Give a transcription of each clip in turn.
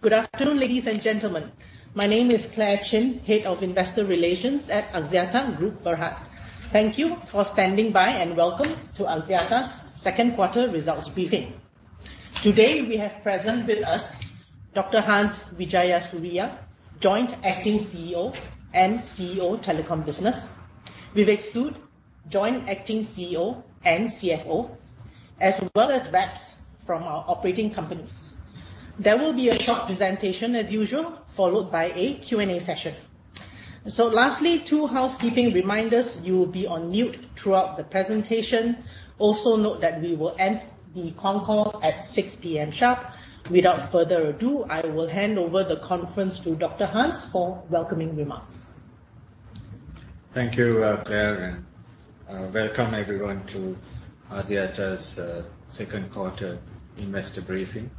Good afternoon, ladies and gentlemen. My name is Clare Chin, Head of Investor Relations at Axiata Group Berhad. Thank you for standing by, and welcome to Axiata's second quarter results briefing. Today, we have present with us Dr. Hans Wijayasuriya, Joint Acting CEO and CEO Telecom Business. Vivek Sood, Joint Acting CEO and CFO, as well as reps from our operating companies. There will be a short presentation as usual, followed by a Q&A session. Lastly, two housekeeping reminders. You will be on mute throughout the presentation. Also note that we will end the conference call at 6:00 P.M. sharp. Without further ado, I will hand over the conference to Dr. Hans for welcoming remarks. Thank you, Clare, and welcome everyone to Axiata's second quarter investor briefing.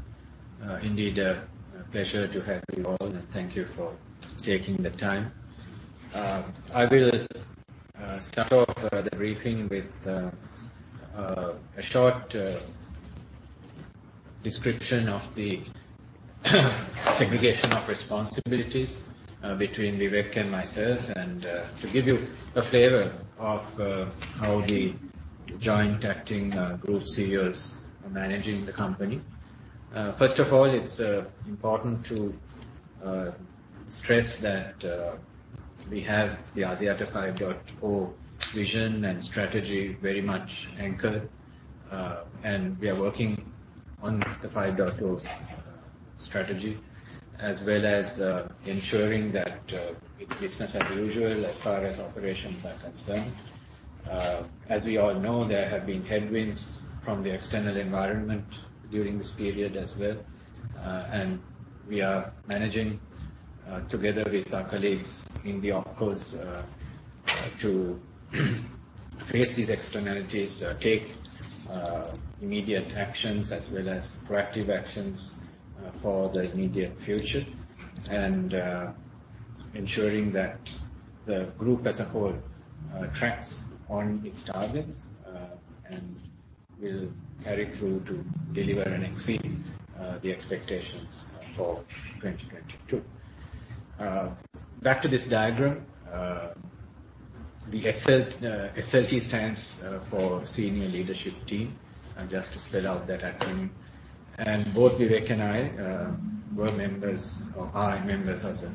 Indeed, a pleasure to have you all, and thank you for taking the time. I will start off the briefing with a short description of the segregation of responsibilities between Vivek and myself. To give you a flavor of how the Joint Acting Group CEOs are managing the company. First of all, it's important to stress that we have the Axiata 5.0 vision and strategy very much anchored, and we are working on the 5.0's strategy, as well as ensuring that it's business as usual as far as operations are concerned. As we all know, there have been headwinds from the external environment during this period as well. We are managing together with our colleagues in the OpCos to face these externalities, take immediate actions as well as proactive actions for the immediate future, ensuring that the group as a whole tracks on its targets and will carry through to deliver and exceed the expectations for 2022. Back to this diagram. The SLT stands for Senior Leadership Team, and just to spell out that acronym. Both Vivek and I were members or are members of the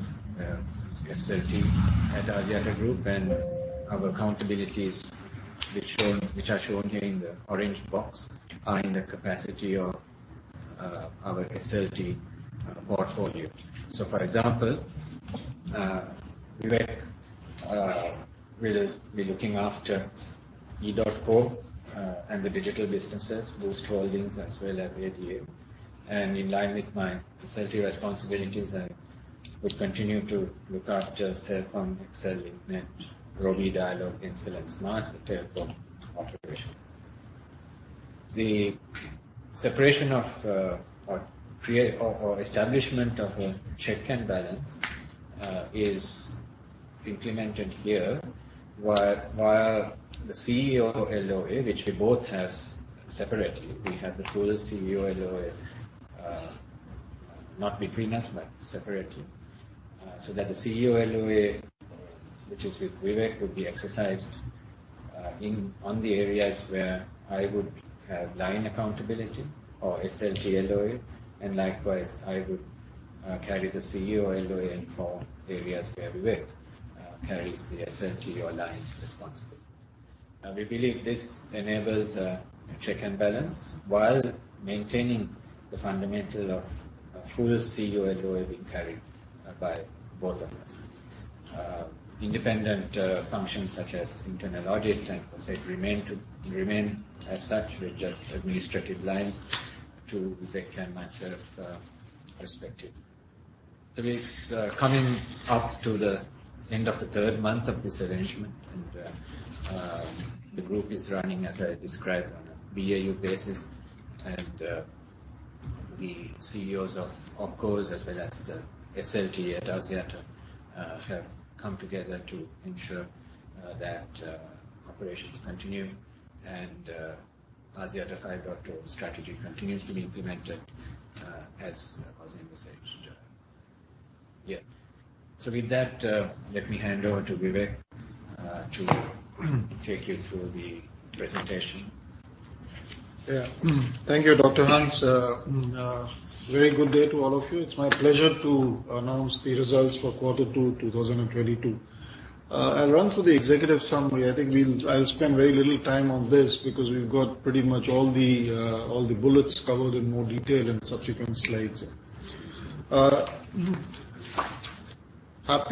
SLT at Axiata Group, and our accountabilities, which are shown here in the orange box, are in the capacity of our SLT portfolio. For example, Vivek will be looking after edotco and the digital businesses, Boost Holdings, as well as ADA. In line with my facilitated responsibilities, I will continue to look after Celcom, XL Axiata, MINT, Robi, Dialog, Ncell, Smart, and telecom operations. The separation or creation or establishment of a check and balance is implemented here via the CEO LoA, which we both have separately. We have the full CEO LoA, not between us, but separately. So that the CEO LoA which is with Vivek would be exercised on the areas where I would have line accountability or SLT LoA, and likewise, I would carry the CEO LoA for areas where Vivek carries the SLT or line responsibility. We believe this enables a check and balance while maintaining the fundamental of a full CEO LoA being carried by both of us. Independent functions such as internal audit and CoSec remain as such with just administrative lines to Vivek and myself respective. We're coming up to the end of the third month of this arrangement and the group is running, as I described, on a BAU basis. The CEOs of OpCos as well as the SLT at Axiata have come together to ensure that operations continue and Axiata 5.0 strategy continues to be implemented, as Azim has said. With that, let me hand over to Vivek to take you through the presentation. Yeah. Thank you, Dr. Hans. Very good day to all of you. It's my pleasure to announce the results for quarter two, 2022. I'll run through the executive summary. I think I'll spend very little time on this because we've got pretty much all the bullets covered in more detail in subsequent slides. Happy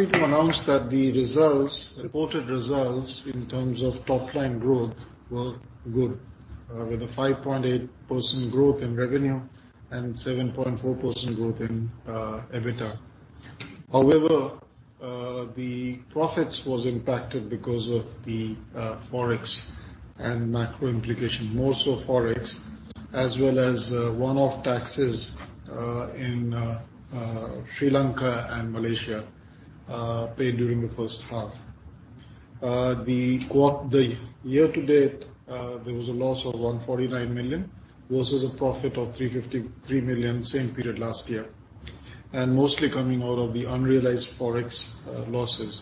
to announce that the results, reported results in terms of top-line growth were good, with a 5.8% growth in revenue and 7.4% growth in EBITDA. However, the profits was impacted because of the Forex and macro implication, more so Forex, as well as one-off taxes in Sri Lanka and Malaysia paid during the first half. The year-to-date, there was a loss of 149 million versus a profit of 353 million same period last year, and mostly coming out of the unrealized Forex losses.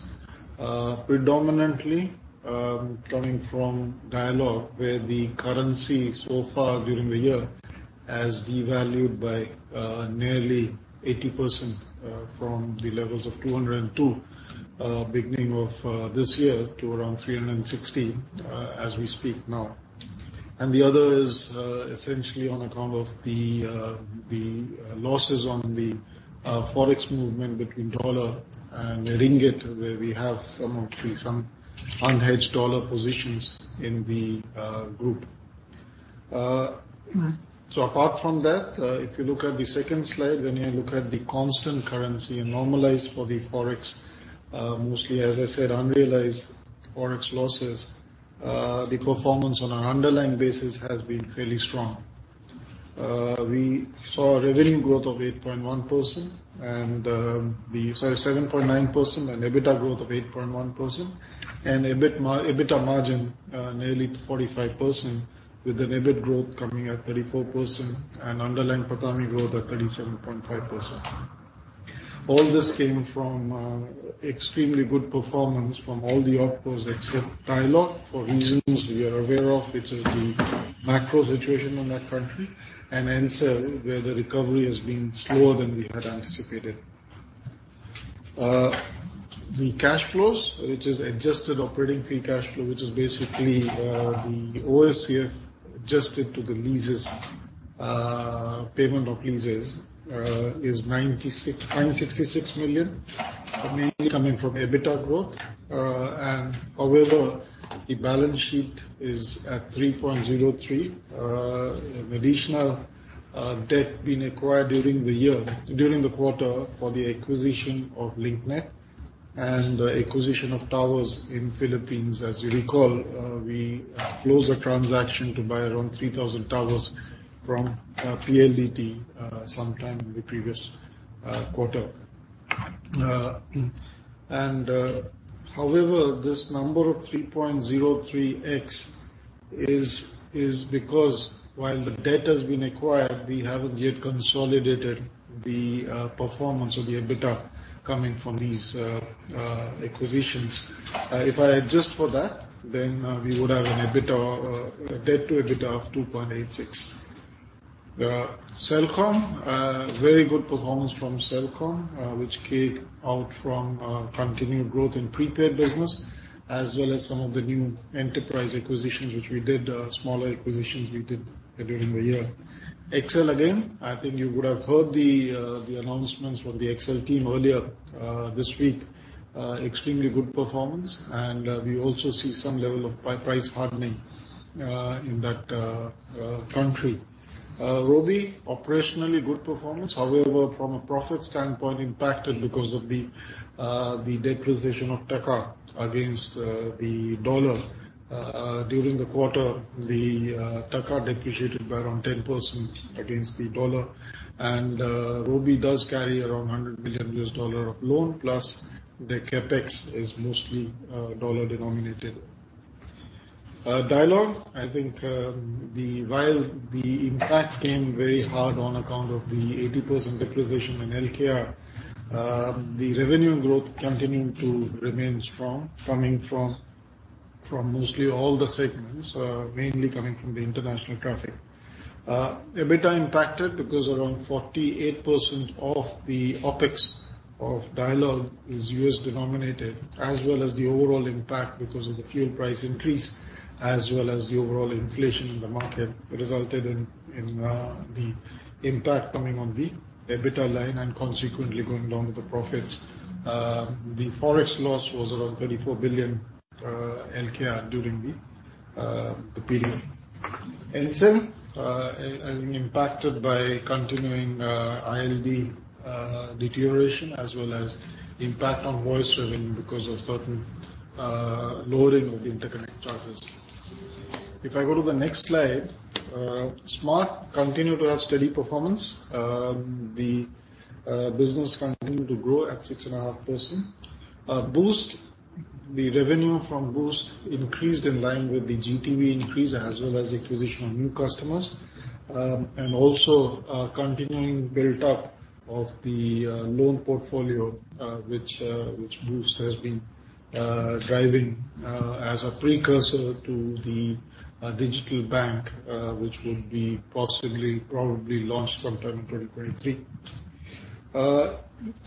Predominantly coming from Dialog, where the currency so far during the year has devalued by nearly 80% from the levels of 202 beginning of this year to around 360 as we speak now. The other is essentially on account of the losses on the Forex movement between dollar and ringgit, where we have some of the... Some unhedged dollar positions in the group. Apart from that, if you look at the second slide, when you look at the constant currency and normalized for the Forex, mostly, as I said, unrealized Forex losses, the performance on an underlying basis has been fairly strong. We saw a revenue growth of 8.1% and 7.9%, an EBITDA growth of 8.1% and EBITDA margin nearly 45% with an EBIT growth coming at 34% and underlying PATAMI growth at 37.5%. All this came from extremely good performance from all the opcos except Dialog, for reasons we are aware of, which is the macro situation in that country, and Ncell, where the recovery has been slower than we had anticipated. The cash flows, which is adjusted operating free cash flow, which is basically the AOCF adjusted to the lease payments, is 96 million, mainly coming from EBITDA growth. The balance sheet is at 3.03. An additional debt being acquired during the quarter for the acquisition of Link Net and the acquisition of towers in Philippines. As you recall, we closed a transaction to buy around 3,000 towers from PLDT sometime in the previous quarter. This number of 3.03x is because while the debt has been acquired, we haven't yet consolidated the performance of the EBITDA coming from these acquisitions. If I adjust for that, we would have an EBITDA. A debt to EBITDA of 2.86. Celcom, very good performance from Celcom, which came from continued growth in prepaid business, as well as some of the new enterprise acquisitions which we did, smaller acquisitions we did, during the year. XL, again, I think you would have heard the announcements from the XL team earlier this week. Extremely good performance, and we also see some level of price hardening in that country. Robi, operationally good performance. However, from a profit standpoint, impacted because of the depreciation of the taka against the dollar. During the quarter, the taka depreciated by around 10% against the dollar. Robi does carry around $100 million of loan, plus their CapEx is mostly dollar denominated. Dialog, I think, while the impact came very hard on account of the 80% depreciation in LKR, the revenue growth continuing to remain strong, coming from mostly all the segments, mainly coming from the international traffic. EBITDA impacted because around 48% of the OpEx of Dialog is U.S. denominated, as well as the overall impact because of the fuel price increase, as well as the overall inflation in the market, resulted in the impact coming on the EBITDA line and consequently going down with the profits. The Forex loss was around 34 billion LKR during the period. Ncell impacted by continuing ILD deterioration as well as impact on voice revenue because of certain lowering of the interconnect charges. If I go to the next slide, Smart continued to have steady performance. The business continued to grow at 6.5%. Boost, the revenue from Boost increased in line with the GTV increase as well as acquisition of new customers. Also, continuing build up of the loan portfolio, which Boost has been driving, as a precursor to the digital bank, which will be possibly, probably launched sometime in 2023.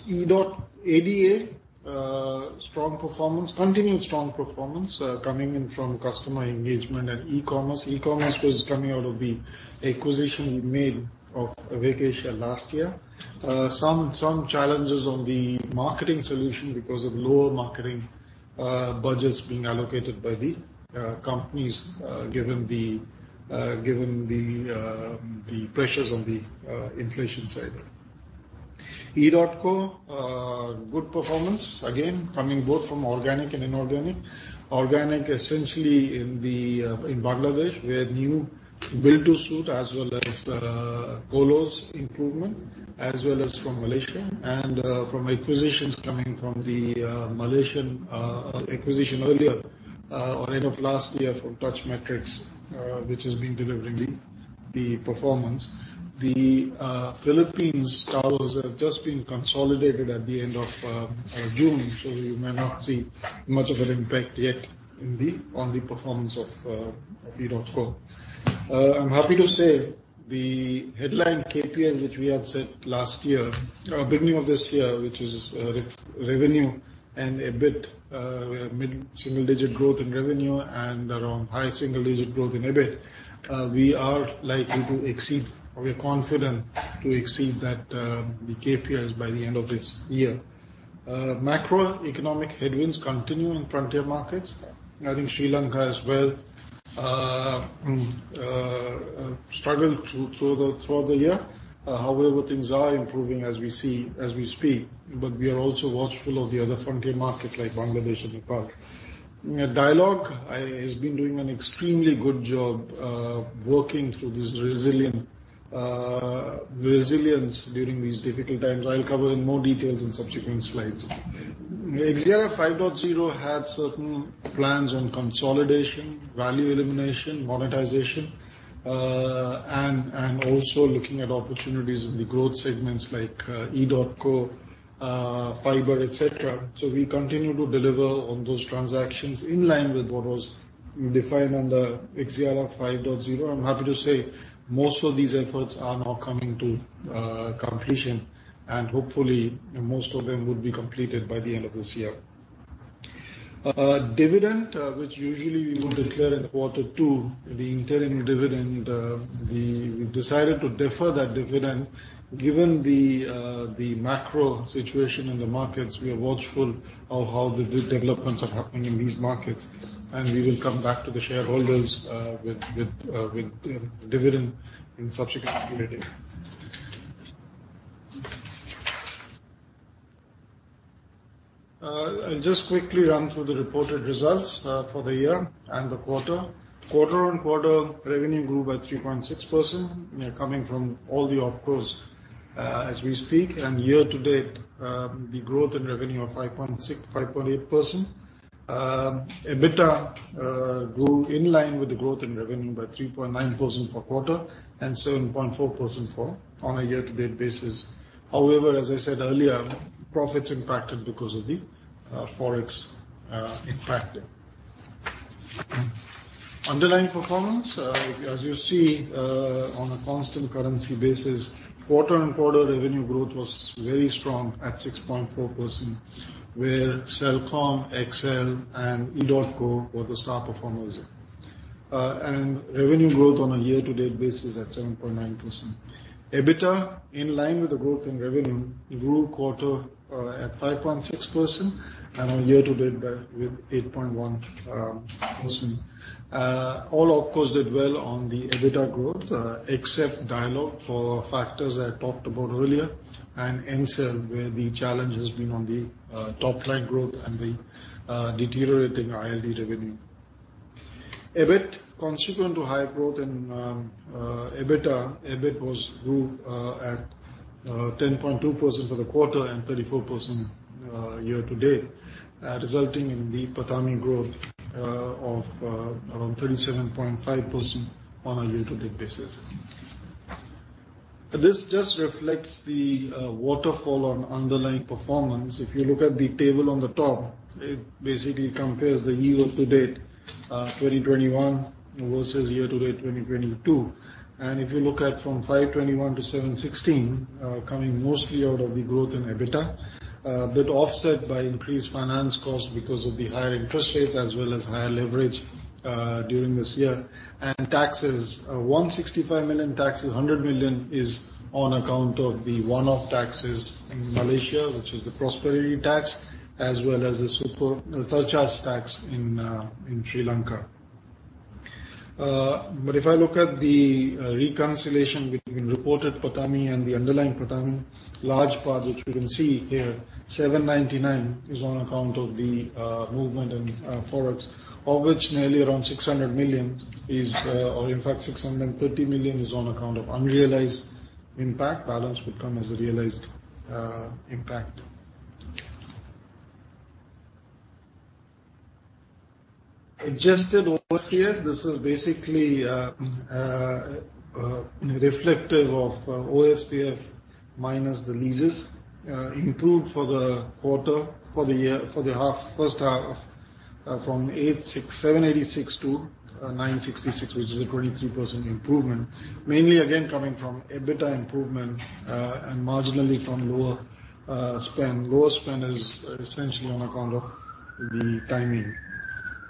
Edotco ADA, strong performance, continued strong performance, coming in from customer engagement and e-commerce. E-commerce was coming out of the acquisition we made of Vase.ai last year. Some challenges on the marketing solution because of lower marketing budgets being allocated by the companies, given the pressures on the inflation side. Edotco good performance, again, coming both from organic and inorganic. Organic essentially in Bangladesh, where new build-to-suit as well as colo improvements, as well as from Malaysia, and from acquisitions coming from the Malaysian acquisition earlier or end of last year from Touch Mindscape, which has been delivering the performance. The Philippines towers have just been consolidated at the end of June, so you may not see much of an impact yet on the performance of edotco. I'm happy to say the headline KPIs which we had set last year, beginning of this year, which is revenue and EBIT, mid-single digit growth in revenue and around high single digit growth in EBIT, we are likely to exceed, or we are confident to exceed that, the KPIs by the end of this year. Macroeconomic headwinds continue in frontier markets. I think Sri Lanka as well struggled throughout the year. However, things are improving as we see, as we speak, but we are also watchful of the other frontier markets like Bangladesh and Nepal. Dialog has been doing an extremely good job working through this resilience during these difficult times. I'll cover in more details in subsequent slides. Axiata 5.0 had certain plans on consolidation, value elimination, monetization, and also looking at opportunities in the growth segments like edotco, fiber, et cetera. We continue to deliver on those transactions in line with what was defined under Axiata 5.0. I'm happy to say most of these efforts are now coming to completion, and hopefully most of them would be completed by the end of this year. Dividend, which usually we would declare in quarter two, the interim dividend. We've decided to defer that dividend. Given the macro situation in the markets, we are watchful of how the developments are happening in these markets, and we will come back to the shareholders with dividend in subsequent period. I'll just quickly run through the reported results for the year and the quarter. Quarter-on-quarter, revenue grew by 3.6%, coming from all the OpCos, as we speak. Year to date, the growth in revenue of 5.8%. EBITDA grew in line with the growth in revenue by 3.9% for quarter and 7.4% on a year-to-date basis. However, as I said earlier, profits impacted because of the Forex impact there. Underlying performance, as you see, on a constant currency basis, quarter-on-quarter revenue growth was very strong at 6.4%, where Celcom, Axiata and edotco were the star performers there. Revenue growth on a year-to-date basis at 7.9%. EBITDA, in line with the growth in revenue, grew quarter-on-quarter at 5.6% and year-to-date by 8.1%. All OpCos did well on the EBITDA growth, except Dialog for factors I talked about earlier, and Ncell, where the challenge has been on the top line growth and the deteriorating ILD revenue. EBIT, consequent to high growth in EBITDA, EBIT grew at 10.2% for the quarter and 34% year-to-date, resulting in the PATAMI growth of around 37.5% on a year-to-date basis. This just reflects the waterfall on underlying performance. If you look at the table on the top, it basically compares the year-to-date 2021 versus year-to-date 2022. If you look at from 521 to 716, coming mostly out of the growth in EBITDA, but offset by increased finance costs because of the higher interest rates as well as higher leverage, during this year. Taxes, 165 million taxes, 100 million is on account of the one-off taxes in Malaysia, which is the prosperity tax, as well as the surcharge tax in Sri Lanka. If I look at the reconciliation between reported PATAMI and the underlying PATAMI, large part which we can see here, 799 is on account of the movement in Forex. Of which nearly around 600 million is, or in fact 630 million is on account of unrealized impact. Balance would come as a realized impact. Adjusted OCF. This is basically reflective of OCF minus the leases. Improved for the first half from 867 to 966, which is a 23% improvement. Mainly again coming from EBITDA improvement and marginally from lower spend. Lower spend is essentially on account of the timing.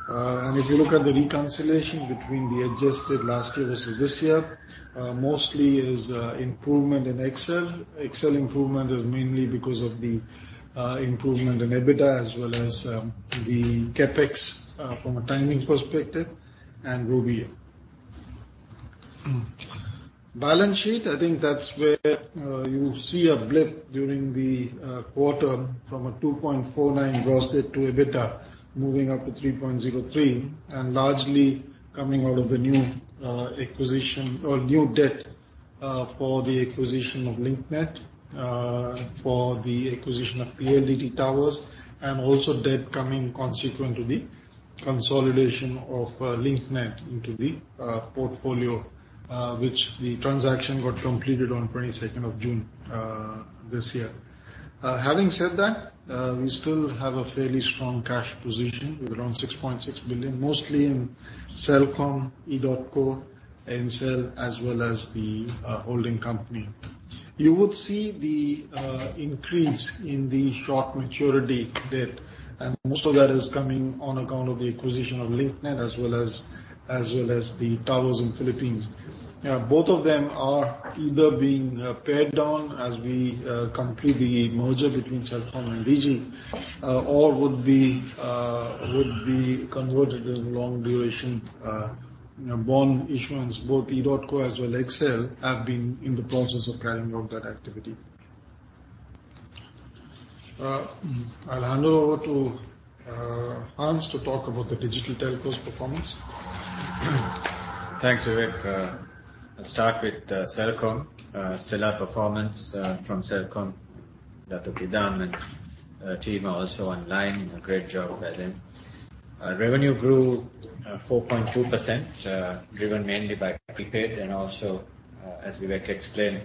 If you look at the reconciliation between the adjusted last year versus this year, mostly is improvement in Axiata. Axiata improvement is mainly because of the improvement in EBITDA as well as the CapEx from a timing perspective and Robi. Balance sheet, I think that's where you see a blip during the quarter from a 2.49 gross debt to EBITDA, moving up to 3.03, and largely coming out of the new acquisition or new debt for the acquisition of Link Net, for the acquisition of PLDT Towers, and also debt coming consequent to the consolidation of Link Net into the portfolio, which the transaction got completed on 22nd of June this year. Having said that, we still have a fairly strong cash position with around 6.6 billion, mostly in Celcom, edotco, and XL, as well as the holding company. You would see the increase in the short maturity debt, and most of that is coming on account of the acquisition of Link Net as well as the towers in Philippines. Both of them are either being paid down as we complete the merger between Celcom and Digi, or would be converted into long duration, you know, bond issuance. Both edotco as well as XL Axiata have been in the process of carrying out that activity. I'll hand over to Dr. Hans to talk about the digital telcos' performance. Thanks, Vivek. I'll start with Celcom. Stellar performance from Celcom. Dato' Idham and team are also online, a great job by them. Revenue grew 4.2%, driven mainly by prepaid and also, as Vivek explained,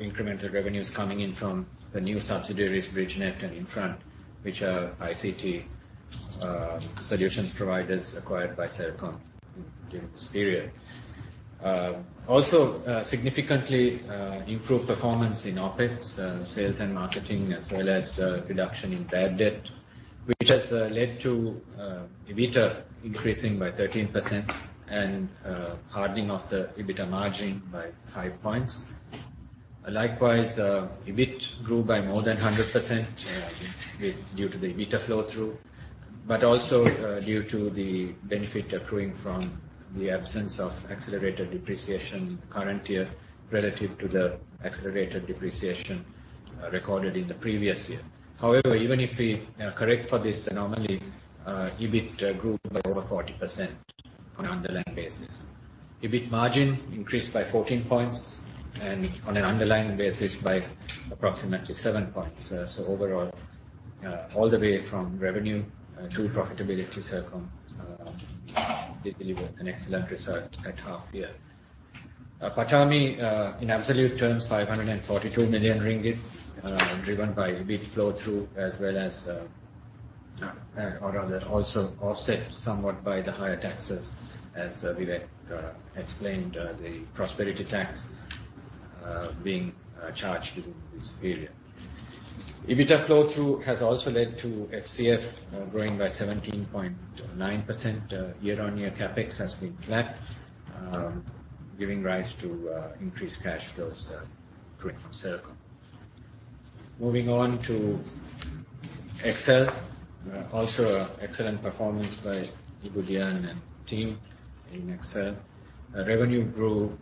incremental revenues coming in from the new subsidiaries Bridgenet and Infront, which are ICT solutions providers acquired by Celcom during this period. Also, significantly improved performance in OpEx, sales and marketing as well as reduction in bad debt, which has led to EBITDA increasing by 13% and hardening of the EBITDA margin by five points. Likewise, EBIT grew by more than 100%, due to the EBITDA flow-through, but also due to the benefit accruing from the absence of accelerated depreciation current year relative to the accelerated depreciation recorded in the previous year. However, even if we correct for this anomaly, EBIT grew by over 40% on an underlying basis. EBIT margin increased by 14 points and on an underlying basis by approximately 7 points. So overall, all the way from revenue to profitability, Celcom did deliver an excellent result at half year. PATAMI in absolute terms, 542 million ringgit, driven by EBIT flow-through as well as, or rather, also offset somewhat by the higher taxes as Vivek explained, the Prosperity Tax being charged during this period. EBITDA flow-through has also led to FCF growing by 17.9%. Year-on-year CapEx has been flat, giving rise to increased cash flows coming from Celcom. Moving on to XL Axiata. Also excellent performance by Ibu Dian and team in XL Axiata. Revenue grew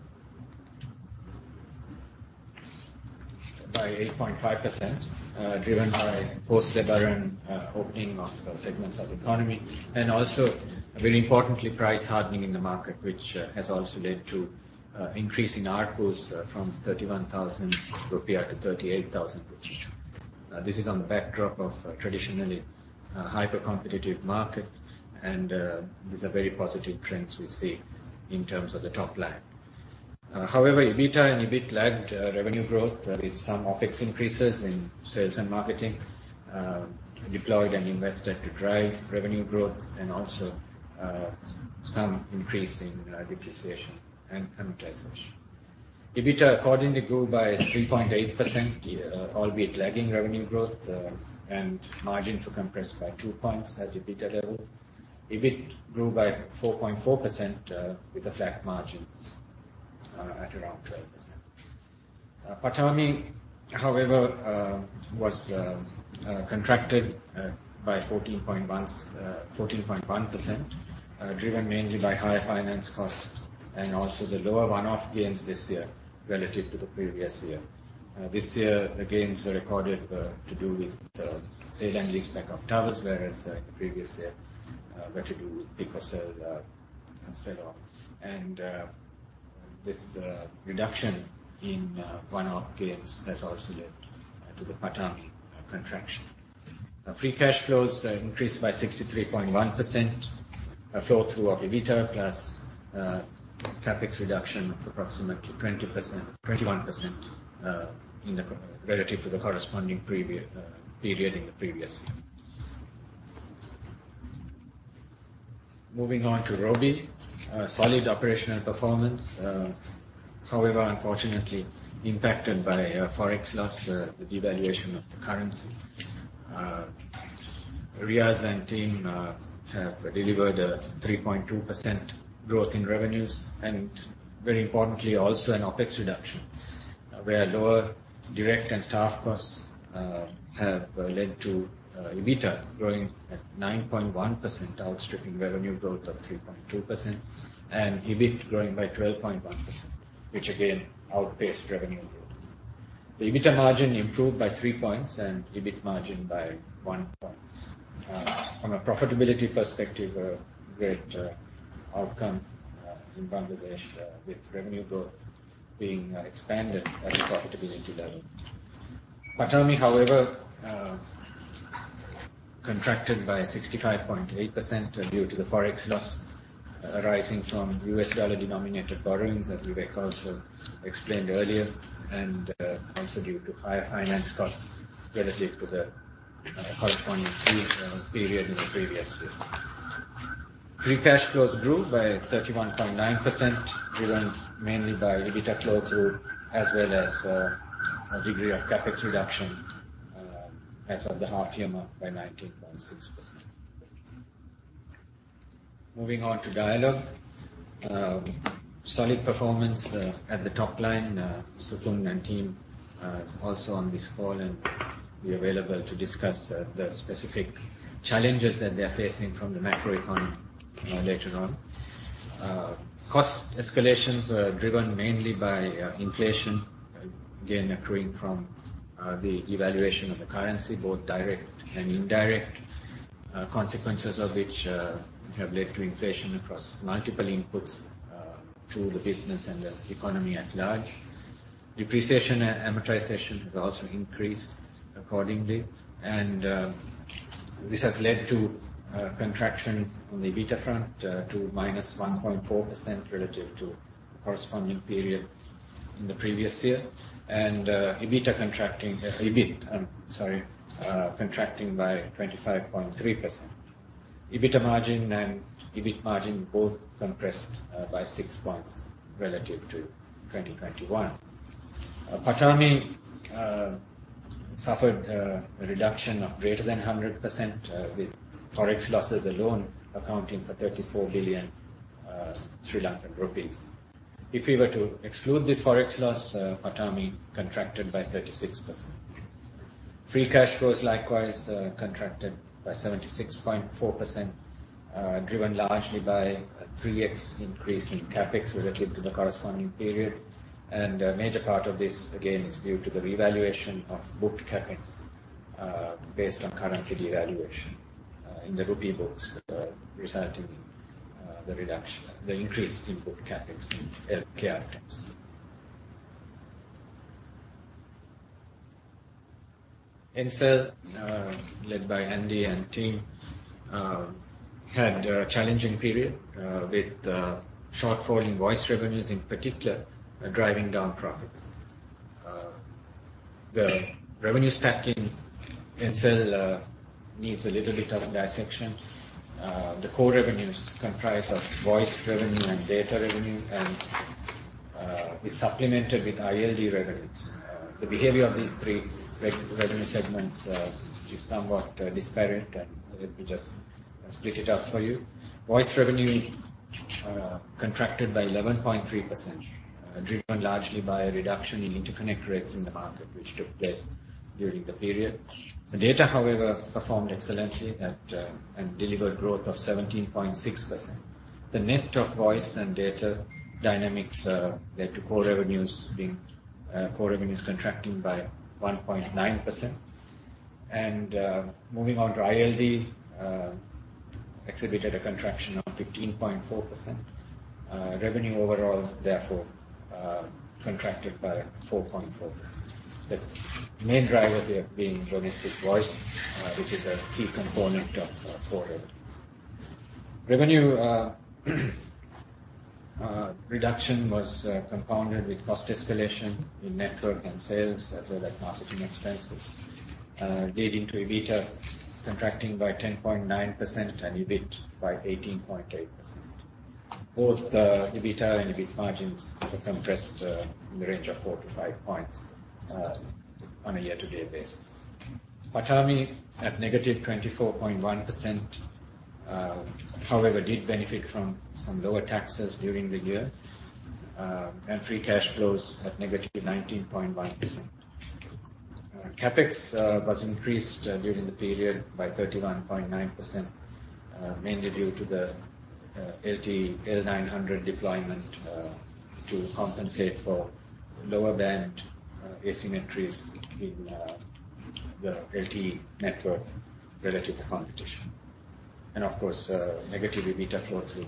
by 8.5%, driven by post-liberation opening of segments of economy, and also very importantly, price hardening in the market, which has also led to increase in ARPU from 31,000 rupiah to 38,000 rupiah. This is on the backdrop of traditionally a hyper-competitive market, and these are very positive trends we see in terms of the top line. However, EBITDA and EBIT lagged revenue growth with some OpEx increases in sales and marketing deployed and invested to drive revenue growth and also some increase in depreciation and amortization. EBITDA accordingly grew by 3.8%, albeit lagging revenue growth, and margins were compressed by 2 points at EBITDA level. EBIT grew by 4.4%, with a flat margin at around 12%. PATAMI, however, was contracted by 14.1%, driven mainly by higher finance costs and also the lower one-off gains this year relative to the previous year. This year, the gains were recorded to do with the sale and leaseback of towers, whereas the previous year were to do with Picotel sell-off. This reduction in one-off gains has also led to the PATAMI contraction. Free cash flows increased by 63.1%. Flow-through of EBITDA plus CapEx reduction of approximately 21% relative to the corresponding period in the previous year. Moving on to Robi. Solid operational performance, however, unfortunately impacted by Forex loss, the devaluation of the currency. Riaz and team have delivered a 3.2% growth in revenues and very importantly, also an OpEx reduction, where lower direct and staff costs have led to EBITDA growing at 9.1%, outstripping revenue growth of 3.2% and EBIT growing by 12.1%, which again outpaced revenue growth. The EBITDA margin improved by 3 points and EBIT margin by 1 point. From a profitability perspective, a great outcome in Bangladesh with revenue growth being expanded at a profitability level. PATAMI, however, contracted by 65.8% due to the Forex loss arising from US dollar denominated borrowings, as Vivek also explained earlier, and also due to higher finance costs relative to the corresponding period in the previous year. Free cash flows grew by 31.9%, driven mainly by EBITDA flow through, as well as a degree of CapEx reduction as of the half-year mark by 19.6%. Moving on to Dialog. Solid performance at the top line. Supun and team is also on this call, and be available to discuss the specific challenges that they're facing from the macroeconomy later on. Cost escalations were driven mainly by inflation again, accruing from the devaluation of the currency, both direct and indirect consequences of which have led to inflation across multiple inputs to the business and the economy at large. Depreciation and amortization has also increased accordingly. This has led to contraction on the EBITDA front to -1.4% relative to the corresponding period in the previous year. EBIT contracting by 25.3%. EBITDA margin and EBIT margin both compressed by six points relative to 2021. PATAMI suffered a reduction of greater than 100%, with Forex losses alone accounting for LKR 34 billion. If we were to exclude this Forex loss, PATAMI contracted by 36%. Free cash flows likewise contracted by 76.4%, driven largely by a 3x increase in CapEx relative to the corresponding period. A major part of this, again, is due to the revaluation of booked CapEx, based on currency devaluation, in the rupee books, resulting in the increase in booked CapEx in LK items. Ncell, led by Andy and team, had a challenging period, with shortfall in voice revenues in particular driving down profits. The revenue stack in Ncell needs a little bit of dissection. The core revenues comprise of voice revenue and data revenue and is supplemented with ILD revenues. The behavior of these three revenue segments is somewhat disparate, and let me just split it up for you. Voice revenue contracted by 11.3%, driven largely by a reduction in interconnect rates in the market which took place during the period. The data, however, performed excellently at and delivered growth of 17.6%. The net of voice and data dynamics led to core revenues contracting by 1.9%. Moving on to ILD, exhibited a contraction of 15.4%. Revenue overall therefore contracted by 4.4%. The main driver here being domestic voice, which is a key component of core revenue. Revenue reduction was compounded with cost escalation in network and sales as well as marketing expenses, leading to EBITDA contracting by 10.9% and EBIT by 18.8%. Both the EBITDA and EBIT margins were compressed in the range of 4-5 points on a year-to-date basis. PATAMI at -24.1%, however, did benefit from some lower taxes during the year. Free cash flows at -19.1%. CapEx was increased during the period by 31.9%, mainly due to the LTE L900 deployment to compensate for lower band asymmetries in the LTE network relative to competition. Of course, negative EBITDA flow through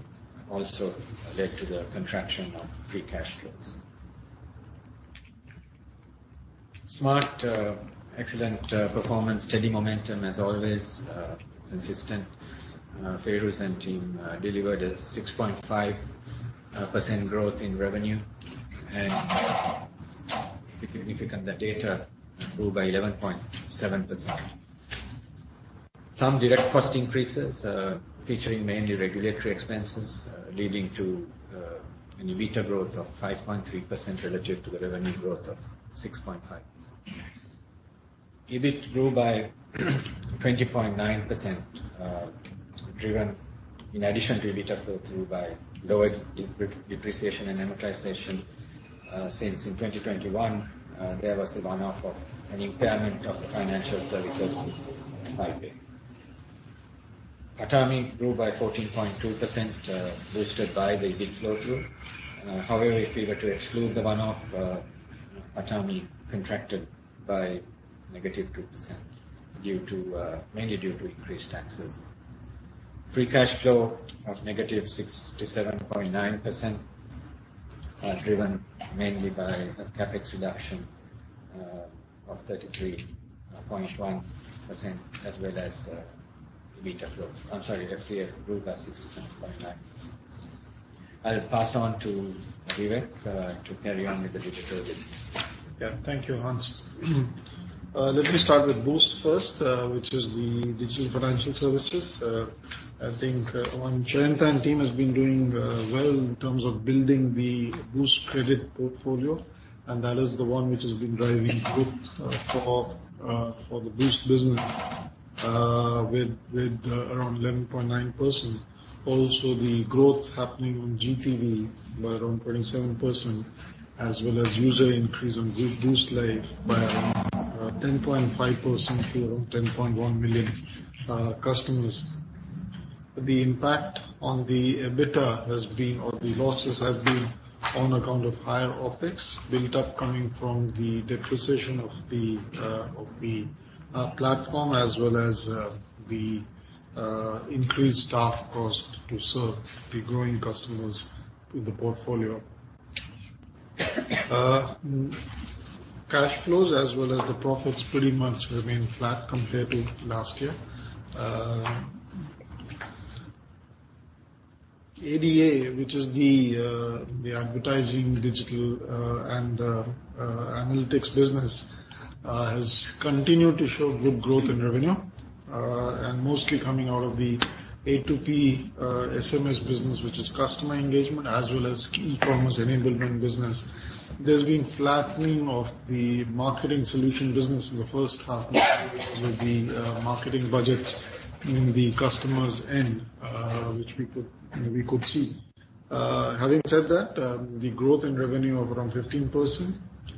also led to the contraction of free cash flows. Smart, excellent performance, steady momentum as always, consistent. Fairuz and team delivered a 6.5% growth in revenue. It's significant that data grew by 11.7%. Some direct cost increases, featuring mainly regulatory expenses, leading to an EBITDA growth of 5.3% relative to the revenue growth of 6.5%. EBIT grew by 20.9%, driven in addition to EBITDA growth by lower depreciation and amortization, since in 2021, there was a one-off of an impairment of the financial services business in Sri Lanka. PATAMI grew by 14.2%, boosted by the EBITDA flow-through. However, if we were to exclude the one-off, PATAMI contracted by -2% due to mainly due to increased taxes. Free cash flow of -67.9%, driven mainly by a CapEx reduction of 33.1% as well as EBITDA flow. I'm sorry, FCF grew by 67.9%. I'll pass on to Vivek, to carry on with the digital business. Yeah. Thank you, Hans. Let me start with Boost first, which is the digital financial services. I think Sheyantha and team has been doing well in terms of building the Boost credit portfolio, and that is the one which has been driving growth for the Boost business with around 11.9%. Also, the growth happening on GTV by around 27% as well as user increase on Boost Life by around 10.5% to around 10.1 million customers. The impact on the EBITDA has been, or the losses have been on account of higher OpEx, built up coming from the depreciation of the platform, as well as the increased staff cost to serve the growing customers in the portfolio. Cash flows as well as the profits pretty much remain flat compared to last year. ADA, which is the advertising digital and analytics business, has continued to show good growth in revenue and mostly coming out of the A2P SMS business, which is customer engagement as well as e-commerce enablement business. There's been flattening of the marketing solution business in the first half with the marketing budgets in the customer's end, which we could see. Having said that, the growth in revenue of around 15%.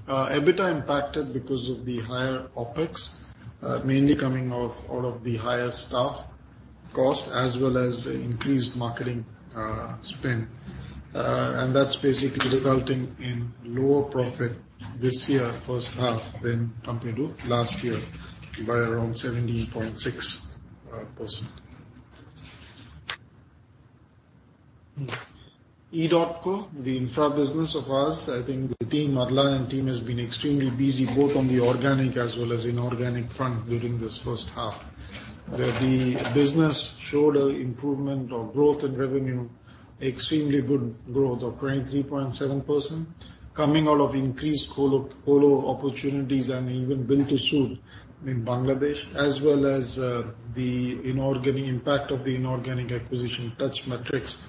EBITDA impacted because of the higher OpEx, mainly coming out of the higher staff cost as well as increased marketing spend. That's basically resulting in lower profit this year, first half than compared to last year by around 17.6%. edotco, the infra business of ours, I think the team, Adlan and team has been extremely busy both on the organic as well as inorganic front during this first half. The business showed a improvement or growth in revenue, extremely good growth of 23.7% coming out of increased colo opportunities and even build to suit in Bangladesh as well as the inorganic impact of the inorganic acquisition Touch Mindscape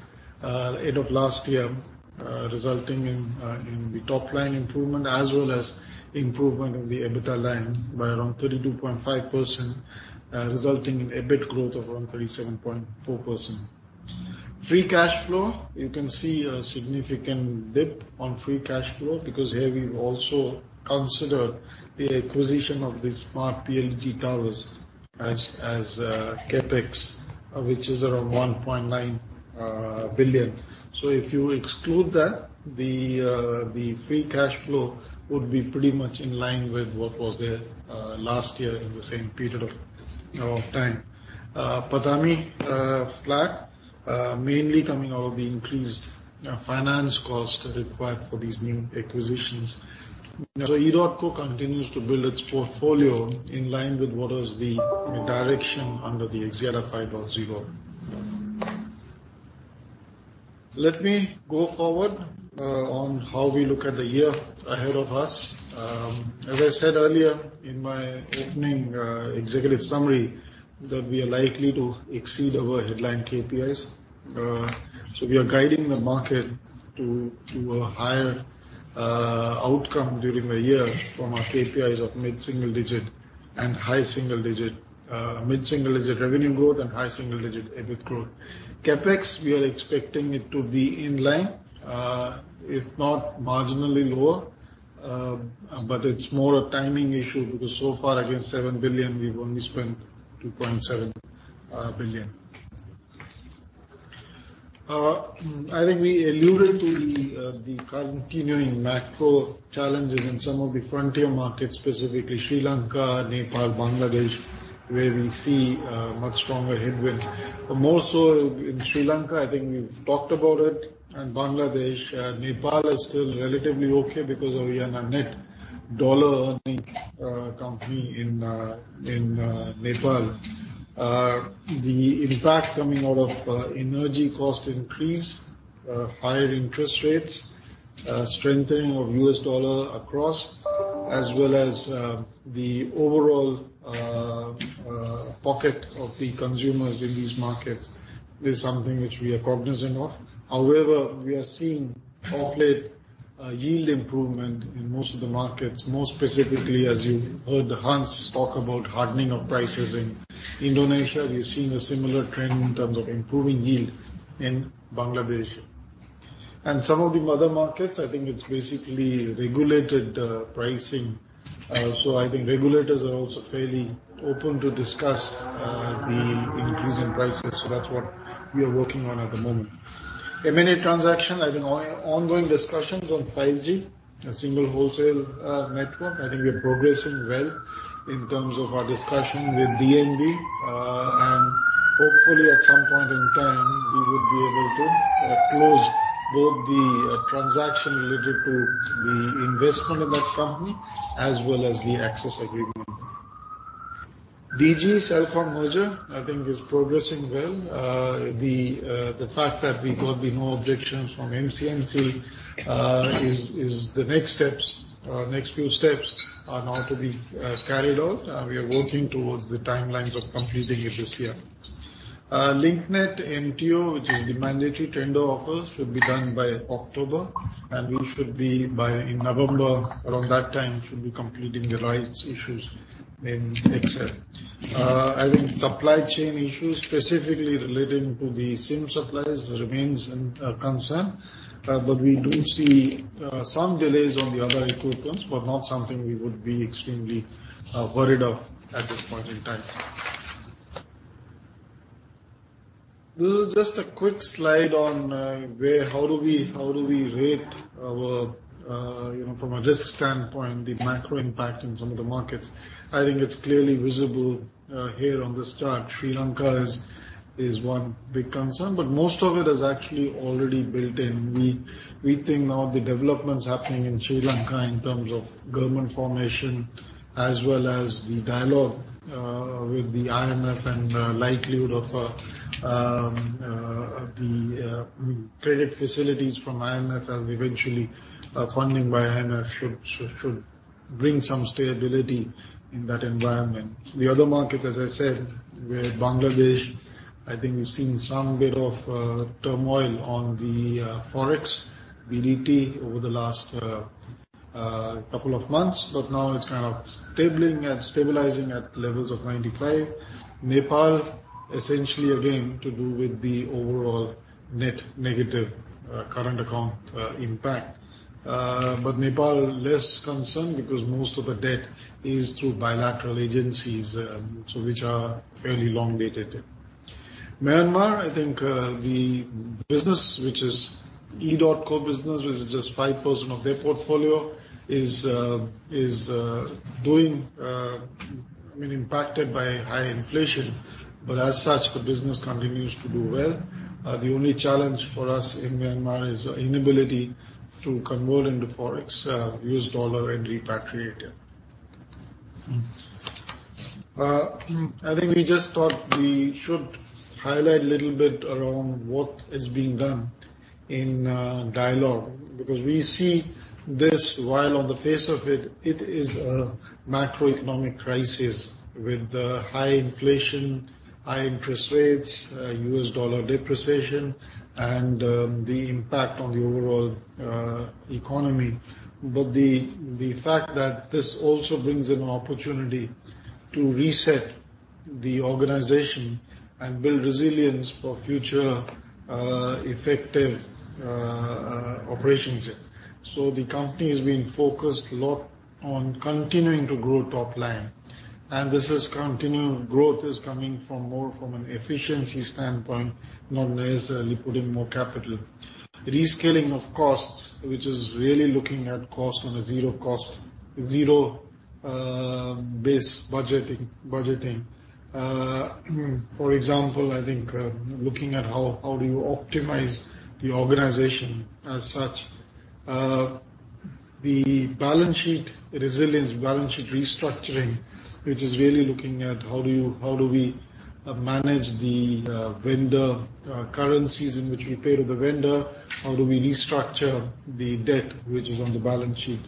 end of last year resulting in the top line improvement as well as improvement in the EBITDA line by around 32.5% resulting in EBIT growth of around 37.4%. Free cash flow, you can see a significant dip on free cash flow because here we've also considered the acquisition of the Smart PLDT Towers as CapEx, which is around 1.9 billion. If you exclude that, the free cash flow would be pretty much in line with what was there last year in the same period of time. PATAMI flat, mainly coming out of the increased finance cost required for these new acquisitions. edotco continues to build its portfolio in line with what is the direction under the Axiata 5.0. Let me go forward on how we look at the year ahead of us. As I said earlier in my opening executive summary, that we are likely to exceed our headline KPIs. We are guiding the market to a higher outcome during the year from our KPIs of mid-single-digit and high-single-digit, mid-single-digit revenue growth and high-single-digit EBIT growth. CapEx, we are expecting it to be in line, if not marginally lower, but it's more a timing issue because so far against 7 billion, we've only spent 2.7 billion. I think we alluded to the continuing macro challenges in some of the frontier markets, specifically Sri Lanka, Nepal, Bangladesh, where we see a much stronger headwind. More so in Sri Lanka, I think we've talked about it, and Bangladesh. Nepal is still relatively okay because we are a net dollar-earning company in Nepal. The impact coming out of energy cost increase, higher interest rates, strengthening of US dollar across, as well as, the overall pocket of the consumers in these markets is something which we are cognizant of. However, we are seeing of late yield improvement in most of the markets. More specifically, as you heard Hans talk about hardening of prices in Indonesia, we've seen a similar trend in terms of improving yield in Bangladesh. Some of the other markets, I think it's basically regulated pricing. I think regulators are also fairly open to discuss the increase in prices. That's what we are working on at the moment. M&A transaction, I think ongoing discussions on 5G, a single wholesale network. I think we are progressing well in terms of our discussion with DNB. Hopefully at some point in time, we would be able to close both the transaction related to the investment in that company as well as the access agreement. CelcomDigi merger, I think, is progressing well. The fact that we got the no objections from MCMC is. The next few steps are now to be carried out. We are working towards the timelines of completing it this year. Link Net MTO, which is the mandatory tender offer, should be done by October, and we should be buying in November, around that time should be completing the rights issues in XL Axiata. I think supply chain issues specifically relating to the SIM supplies remains a concern. We do see some delays on the other equipment, but not something we would be extremely worried of at this point in time. This is just a quick slide on where, how do we rate our, you know, from a risk standpoint the macro impact in some of the markets. I think it's clearly visible here on this chart. Sri Lanka is one big concern, but most of it is actually already built in. We think now the developments happening in Sri Lanka in terms of government formation as well as the dialogue with the IMF and the likelihood of the credit facilities from IMF and eventually funding by IMF should bring some stability in that environment. The other market as I said where Bangladesh I think we've seen some bit of turmoil on the Forex BDT over the last couple of months, but now it's kind of stabilizing and stabilizing at levels of 95. Nepal essentially again to do with the overall net negative current account impact. Nepal less concerned because most of the debt is through bilateral agencies, so which are fairly long-dated debt. Myanmar, I think, the business which is edotco business which is just 5% of their portfolio is doing, I mean impacted by high inflation, but as such the business continues to do well. The only challenge for us in Myanmar is inability to convert into Forex US dollar and repatriate it. I think we just thought we should highlight little bit around what is being done in Dialog because we see this while on the face of it is a macroeconomic crisis with the high inflation, high interest rates, US dollar depreciation and the impact on the overall economy. The fact that this also brings in an opportunity to reset the organization and build resilience for future effective operations here. The company has been focused a lot on continuing to grow top line, and this continual growth is coming from more from an efficiency standpoint, not necessarily putting more capital. Rescaling of costs which is really looking at cost on a zero-based budgeting. For example, I think looking at how do you optimize the organization as such. The balance sheet resilience, balance sheet restructuring which is really looking at how do you, how do we manage the vendor currencies in which we pay to the vendor? How do we restructure the debt which is on the balance sheet?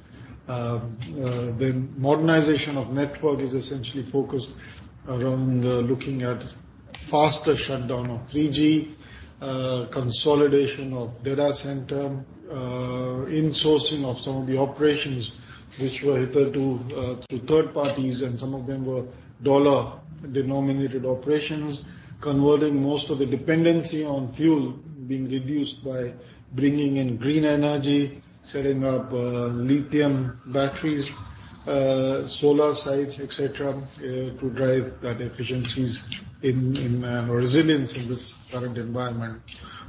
Modernization of network is essentially focused around looking at faster shutdown of 3G, consolidation of data center, insourcing of some of the operations which were hitherto to third parties and some of them were dollar-denominated operations. Converting most of the dependency on fuel being reduced by bringing in green energy, setting up lithium batteries, solar sites, et cetera, to drive that efficiencies in resilience in this current environment.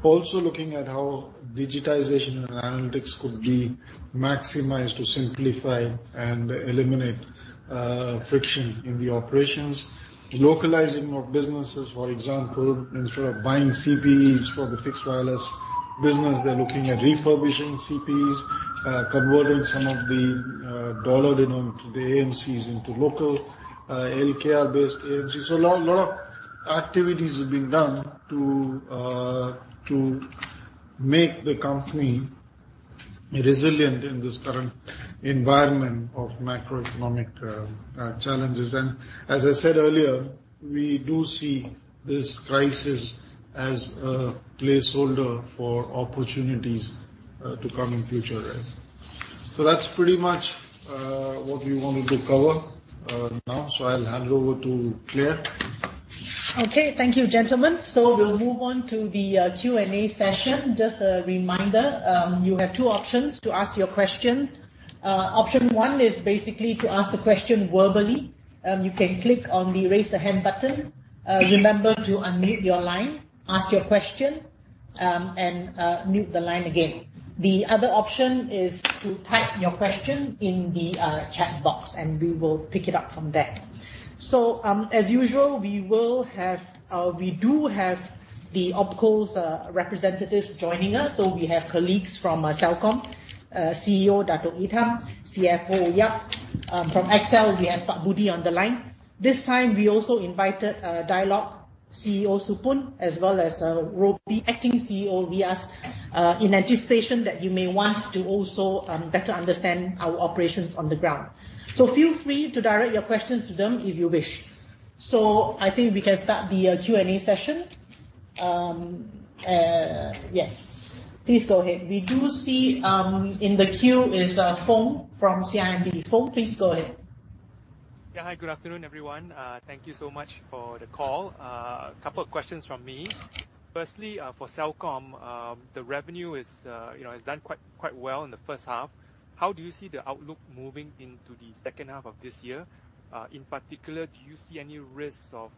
Also looking at how digitization and analytics could be maximized to simplify and eliminate friction in the operations. Localization of businesses, for example, instead of buying CPEs for the fixed wireless business they're looking at refurbishing CPEs. Converting some of the dollar-denominated AMCs into local LKR-based AMCs. A lot of activities are being done to make the company resilient in this current environment of macroeconomic challenges. As I said earlier, we do see this crisis as a placeholder for opportunities to come in future years. That's pretty much what we wanted to cover now, so I'll hand over to Claire. Okay, thank you, gentlemen. We'll move on to the Q&A session. Just a reminder, you have two options to ask your questions. Option one is basically to ask the question verbally. You can click on the Raise the Hand button. Remember to unmute your line, ask your question, and mute the line again. The other option is to type your question in the chat box, and we will pick it up from there. As usual, we have the OpCo's representatives joining us. We have colleagues from Celcom, CEO Dato' Idham, CFO Yap. From XL Axiata, we have Pak Budi on the line. This time we also invited Dialog CEO Supun, as well as Robi Acting CEO Riyaaz, in anticipation that you may want to also better understand our operations on the ground. Feel free to direct your questions to them if you wish. I think we can start the Q&A session. Yes, please go ahead. We do see in the queue is Foong from CIMB. Foong, please go ahead. Yeah. Hi, good afternoon, everyone. Thank you so much for the call. Couple of questions from me. Firstly, for Celcom, the revenue, you know, has done quite well in the first half. How do you see the outlook moving into the second half of this year? In particular, do you see any risks of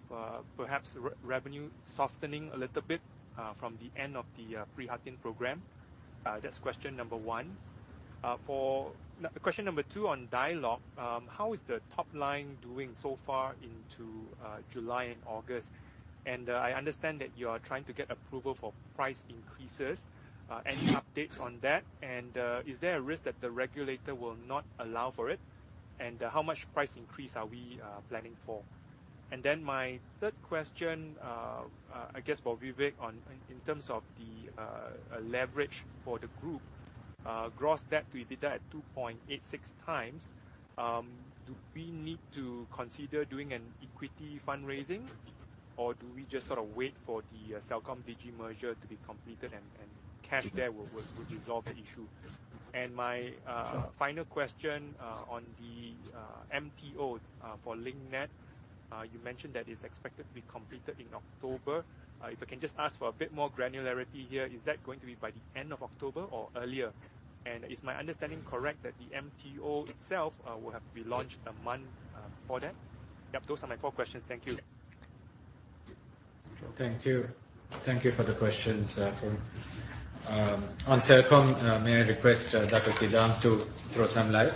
perhaps revenue softening a little bit from the end of the Jaringan Prihatin program? That's question number one. Question number two on Dialog. How is the top line doing so far into July and August? And I understand that you are trying to get approval for price increases. Any updates on that? And is there a risk that the regulator will not allow for it? And how much price increase are we planning for? Then my third question, I guess for Vivek on, in terms of the leverage for the group, gross debt to EBITDA at 2.86x, do we need to consider doing an equity fundraising or do we just sort of wait for the CelcomDigi merger to be completed and cash there will resolve the issue? My final question, on the MTO for Link Net, you mentioned that it's expected to be completed in October. If I can just ask for a bit more granularity here. Is that going to be by the end of October or earlier? And is my understanding correct that the MTO itself will have to be launched a month before that? Yep, those are my four questions. Thank you. Thank you. Thank you for the questions, Foong. On Celcom, may I request Dato' Idham to throw some light?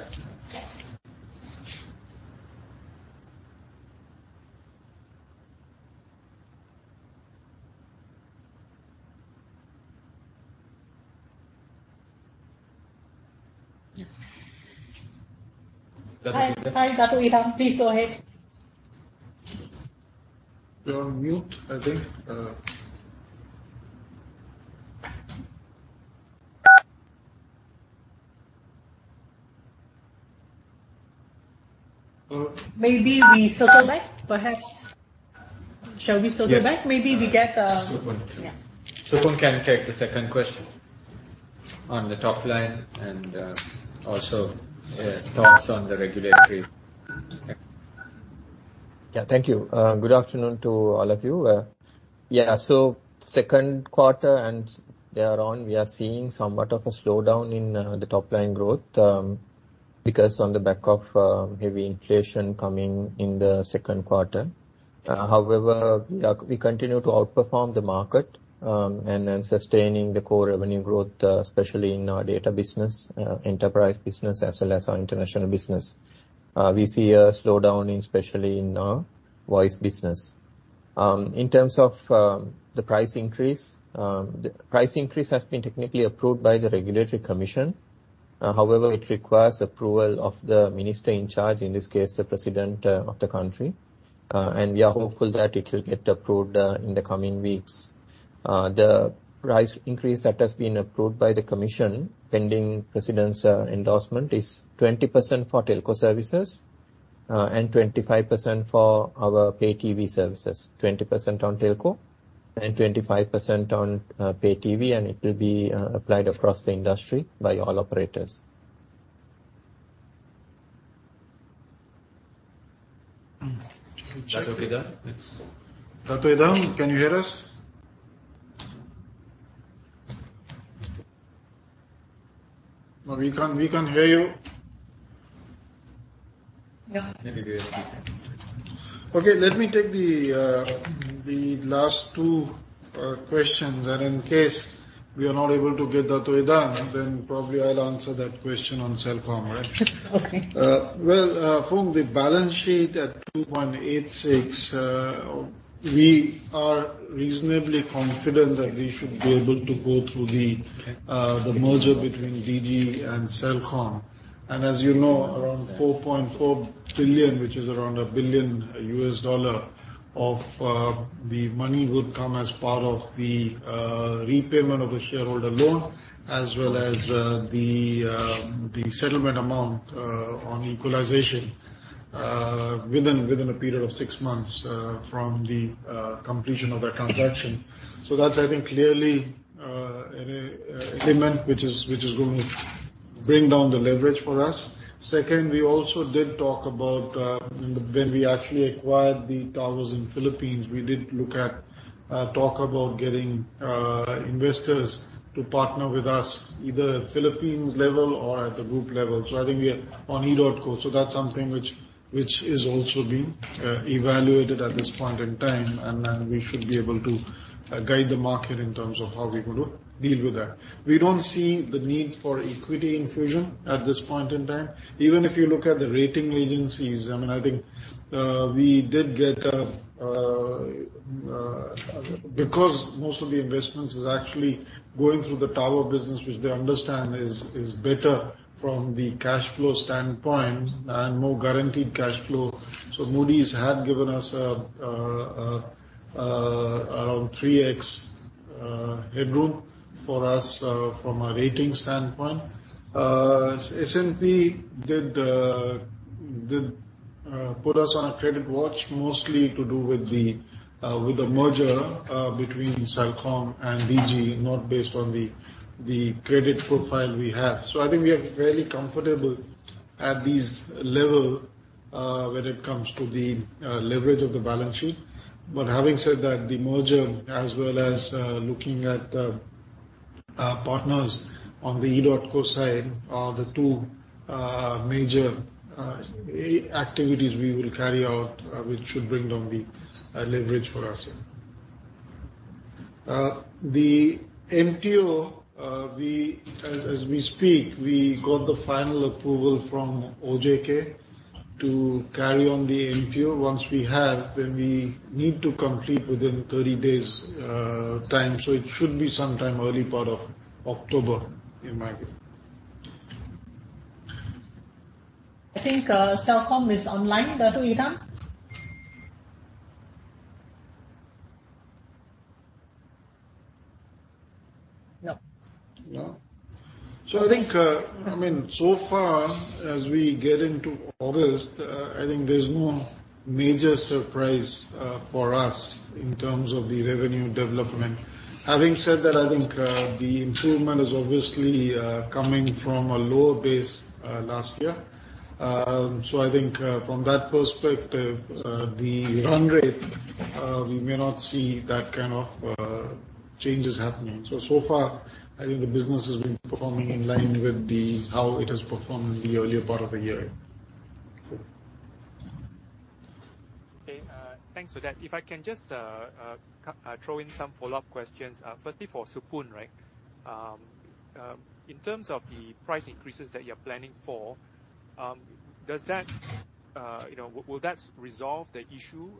Hi. Hi, Dato' Idham. Please go ahead. You're on mute, I think. Maybe we circle back, perhaps. Shall we circle back? Yes. Maybe we get. Supun. Yeah. Supun can take the second question on the top line and, also, thoughts on the regulatory. Yeah. Thank you. Good afternoon to all of you. Second quarter and thereon, we are seeing somewhat of a slowdown in the top-line growth because on the back of heavy inflation coming in the second quarter. However, we continue to outperform the market and then sustaining the core revenue growth, especially in our data business, enterprise business, as well as our international business. We see a slowdown, especially in voice business. In terms of the price increase, the price increase has been technically approved by the regulatory commission. However, it requires approval of the minister in charge, in this case, the president of the country. We are hopeful that it will get approved in the coming weeks. The price increase that has been approved by the commission, pending president's endorsement, is 20% for telco services and 25% for our pay TV services. 20% on telco and 25% on pay TV, and it will be applied across the industry by all operators. Dato' Idham, yes. Dato' Idham, can you hear us? No, we can't hear you. No. Maybe we have to. Okay. Let me take the last two questions, and in case we are not able to get Dato' Idham, then probably I'll answer that question on Celcom, right? Okay. Well, from the balance sheet at 2.86, we are reasonably confident that we should be able to go through the merger between Digi and Celcom. As you know, around 4.4 billion, which is around $1 billion of the money would come as part of the repayment of the shareholder loan, as well as the settlement amount on equalization within a period of six months from the completion of that transaction. That's, I think, clearly an agreement which is gonna bring down the leverage for us. Second, we also did talk about when we actually acquired the towers in the Philippines, we did look at getting investors to partner with us, either Philippine level or at the group level. I think we are at edotco. That's something which is also being evaluated at this point in time, and then we should be able to guide the market in terms of how we're gonna deal with that. We don't see the need for equity infusion at this point in time. Even if you look at the rating agencies, I mean, I think we did get because most of the investments is actually going through the tower business, which they understand is better from the cash flow standpoint and more guaranteed cash flow. Moody's had given us around 3x headroom for us from a rating standpoint. S&P did put us on a credit watch mostly to do with the merger between Celcom and Digi, not based on the credit profile we have. I think we are fairly comfortable at this level when it comes to the leverage of the balance sheet. Having said that, the merger as well as looking at our partners on the edotco side are the two major activities we will carry out which should bring down the leverage for us. The MTO, as we speak, we got the final approval from OJK to carry on the MTO. Once we have, then we need to complete within 30 days time. It should be some time early part of October, in my view. I think, Celcom is online, Dato' Idham. No. No. I think, I mean, so far as we get into August, I think there's no major surprise for us in terms of the revenue development. Having said that, I think the improvement is obviously coming from a lower base last year. I think from that perspective, the run rate we may not see that kind of changes happening. So far, I think the business has been performing in line with how it has performed in the earlier part of the year. Yeah. Okay. Thanks for that. If I can just throw in some follow-up questions. Firstly for Supun, right? In terms of the price increases that you're planning for, does that, you know, will that resolve the issue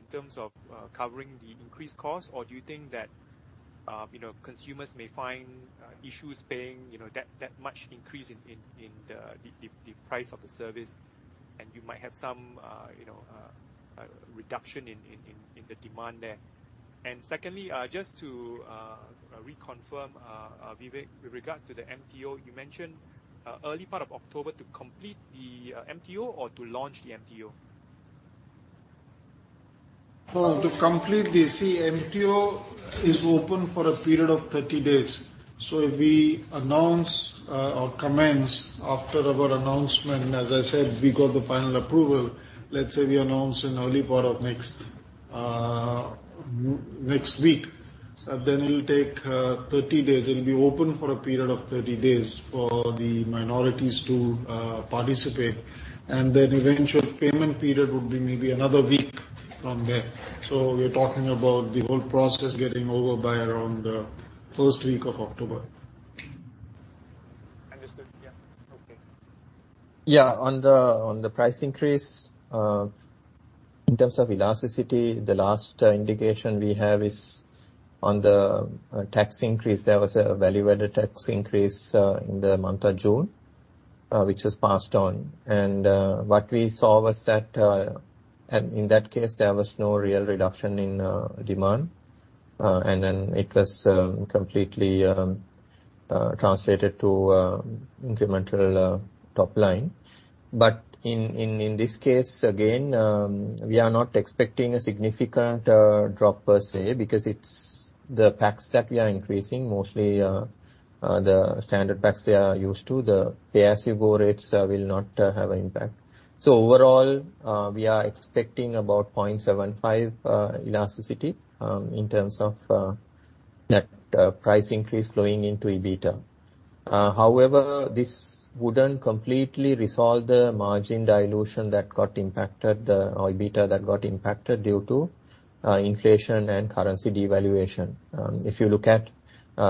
in terms of covering the increased cost? Or do you think that, you know, consumers may find issues paying, you know, that much increase in the price of the service, and you might have some, you know, reduction in the demand there. Secondly, just to reconfirm, Vivek, with regards to the MTO, you mentioned early part of October to complete the MTO or to launch the MTO? Well, MTO is open for a period of 30 days. If we announce or commence after our announcement, as I said, we got the final approval. Let's say we announce in early part of next week, then it'll take 30 days. It'll be open for a period of 30 days for the minorities to participate. Eventual payment period would be maybe another week from there. We're talking about the whole process getting over by around first week of October. Understood. Yeah. Okay. Yeah. On the price increase, in terms of elasticity, the last indication we have is on the tax increase. There was a value-added tax increase in the month of June, which was passed on. What we saw was that in that case, there was no real reduction in demand. Then it was completely translated to incremental top line. In this case, again, we are not expecting a significant drop per se because it's the packs that we are increasing. Mostly the standard packs they are used to. The pay-as-you-go rates will not have impact. Overall, we are expecting about 0.75 elasticity in terms of that price increase flowing into EBITDA. However, this wouldn't completely resolve the margin dilution that got impacted, or EBITDA that got impacted due to inflation and currency devaluation. If you look at,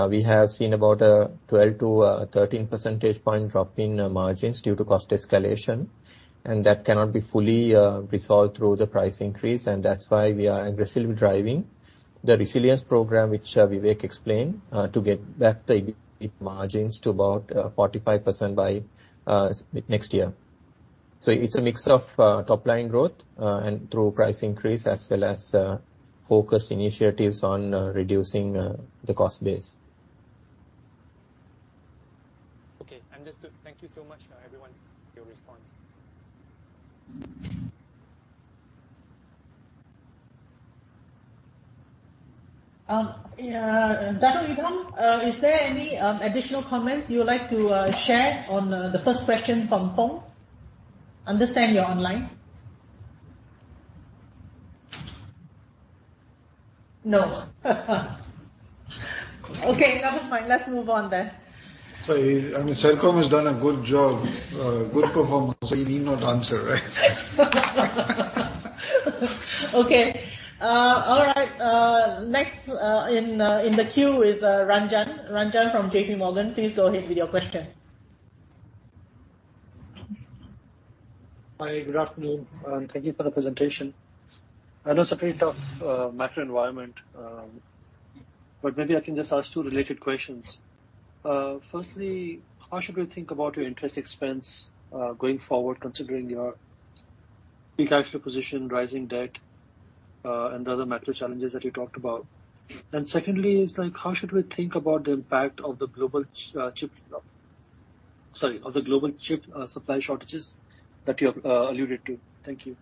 we have seen about a 12-13 percentage point drop in margins due to cost escalation, and that cannot be fully resolved through the price increase. That's why we are aggressively driving the resilience program, which Vivek explained, to get back the EBITDA margins to about 45% by next year. It's a mix of top-line growth, and through price increase, as well as focused initiatives on reducing the cost base. Okay. Understood. Thank you so much, everyone, for your response. Dato' Idham, is there any additional comments you would like to share on the first question from Foong? Understand you're online. No. Okay, never mind. Let's move on then. I mean, Celcom has done a good job, good performance, so you need not answer, right? Okay. All right. Next, in the queue is Ranjan. Ranjan from J.P. Morgan, please go ahead with your question. Hi, good afternoon, and thank you for the presentation. I know it's a pretty tough macro environment, but maybe I can just ask two related questions. Firstly, how should we think about your interest expense going forward, considering your big actual position, rising debt, and the other macro challenges that you talked about? Secondly is like, how should we think about the impact of the global chip supply shortages that you have alluded to. Thank you.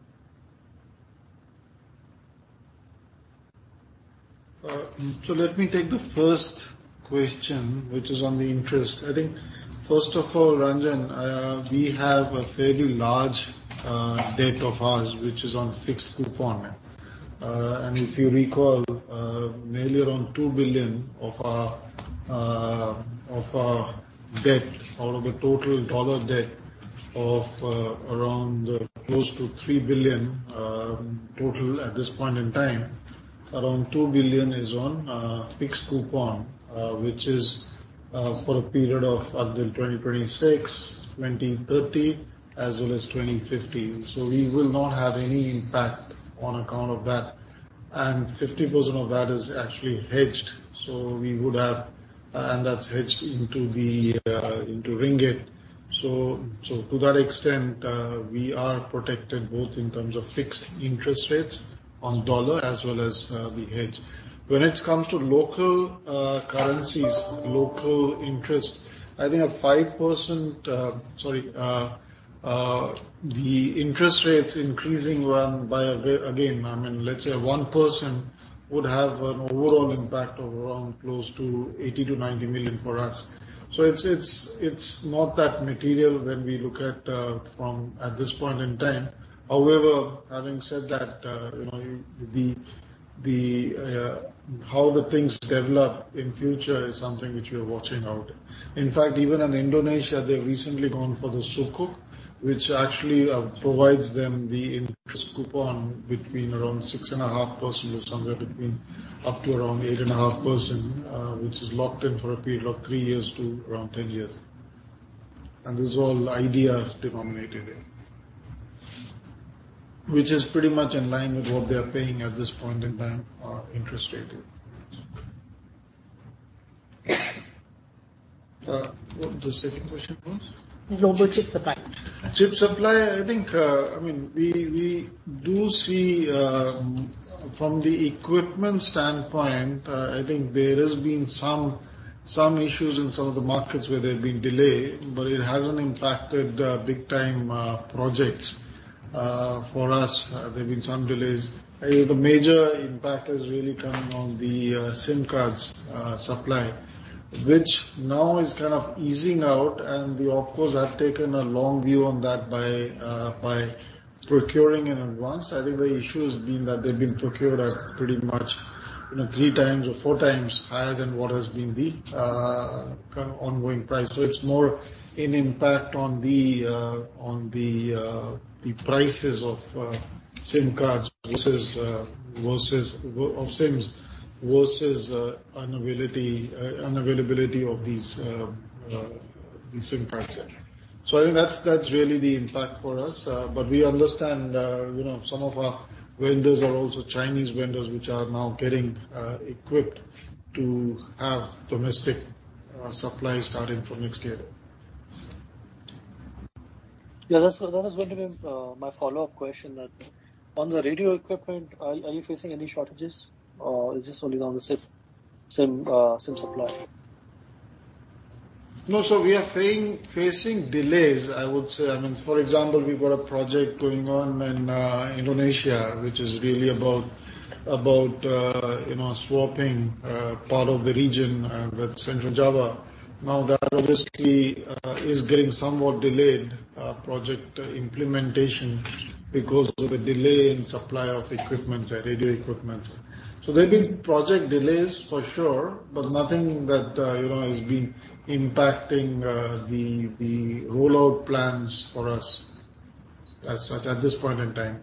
Let me take the first question, which is on the interest. I think first of all, Ranjan, we have a fairly large debt of ours, which is on fixed coupon. If you recall, nearly around $2 billion of our debt out of the total dollar debt of around close to $3 billion total at this point in time. Around $2 billion is on fixed coupon, which is for a period of until 2026, 2030, as well as 2015. We will not have any impact on account of that. 50% of that is actually hedged, so we would have. That's hedged into ringgit. To that extent, we are protected both in terms of fixed interest rates on dollar as well as the hedge. When it comes to local currencies, local interest, I think a 5%, the interest rates increasing, well, I mean, let's say 1% would have an overall impact of around close to 80-90 million for us. So it's not that material when we look at from this point in time. However, having said that, you know, how the things develop in future is something which we are watching out. In fact, even in Indonesia, they've recently gone for the sukuk, which actually provides them the interest coupon between around 6.5% or somewhere between up to around 8.5%, which is locked in for a period of three years to around 10 years. This is all IDR denominated. Which is pretty much in line with what they are paying at this point in time, interest rate. What the second question was? Global chip supply. Chip supply, I think, I mean, we do see from the equipment standpoint, I think there has been some issues in some of the markets where they've been delayed, but it hasn't impacted big time projects. For us, there have been some delays. The major impact has really come on the SIM cards supply, which now is kind of easing out and we of course have taken a long view on that by procuring in advance. I think the issue has been that they've been procured at pretty much, you know, three times or four times higher than what has been the kind of ongoing price. So it's more an impact on the prices of SIM cards versus of SIMs versus availability of these the SIM cards, yeah. I think that's really the impact for us. We understand, you know, some of our vendors are also Chinese vendors which are now getting equipped to have domestic supply starting from next year. Yeah. That was going to be my follow-up question. On the radio equipment, are you facing any shortages or is this only on the SIM supply? No. We are facing delays, I would say. I mean, for example, we've got a project going on in Indonesia which is really about you know, swapping part of the region with Central Java. Now, that obviously is getting somewhat delayed project implementation because of the delay in supply of equipment, radio equipment. There've been project delays for sure, but nothing that you know, has been impacting the rollout plans for us as such at this point in time.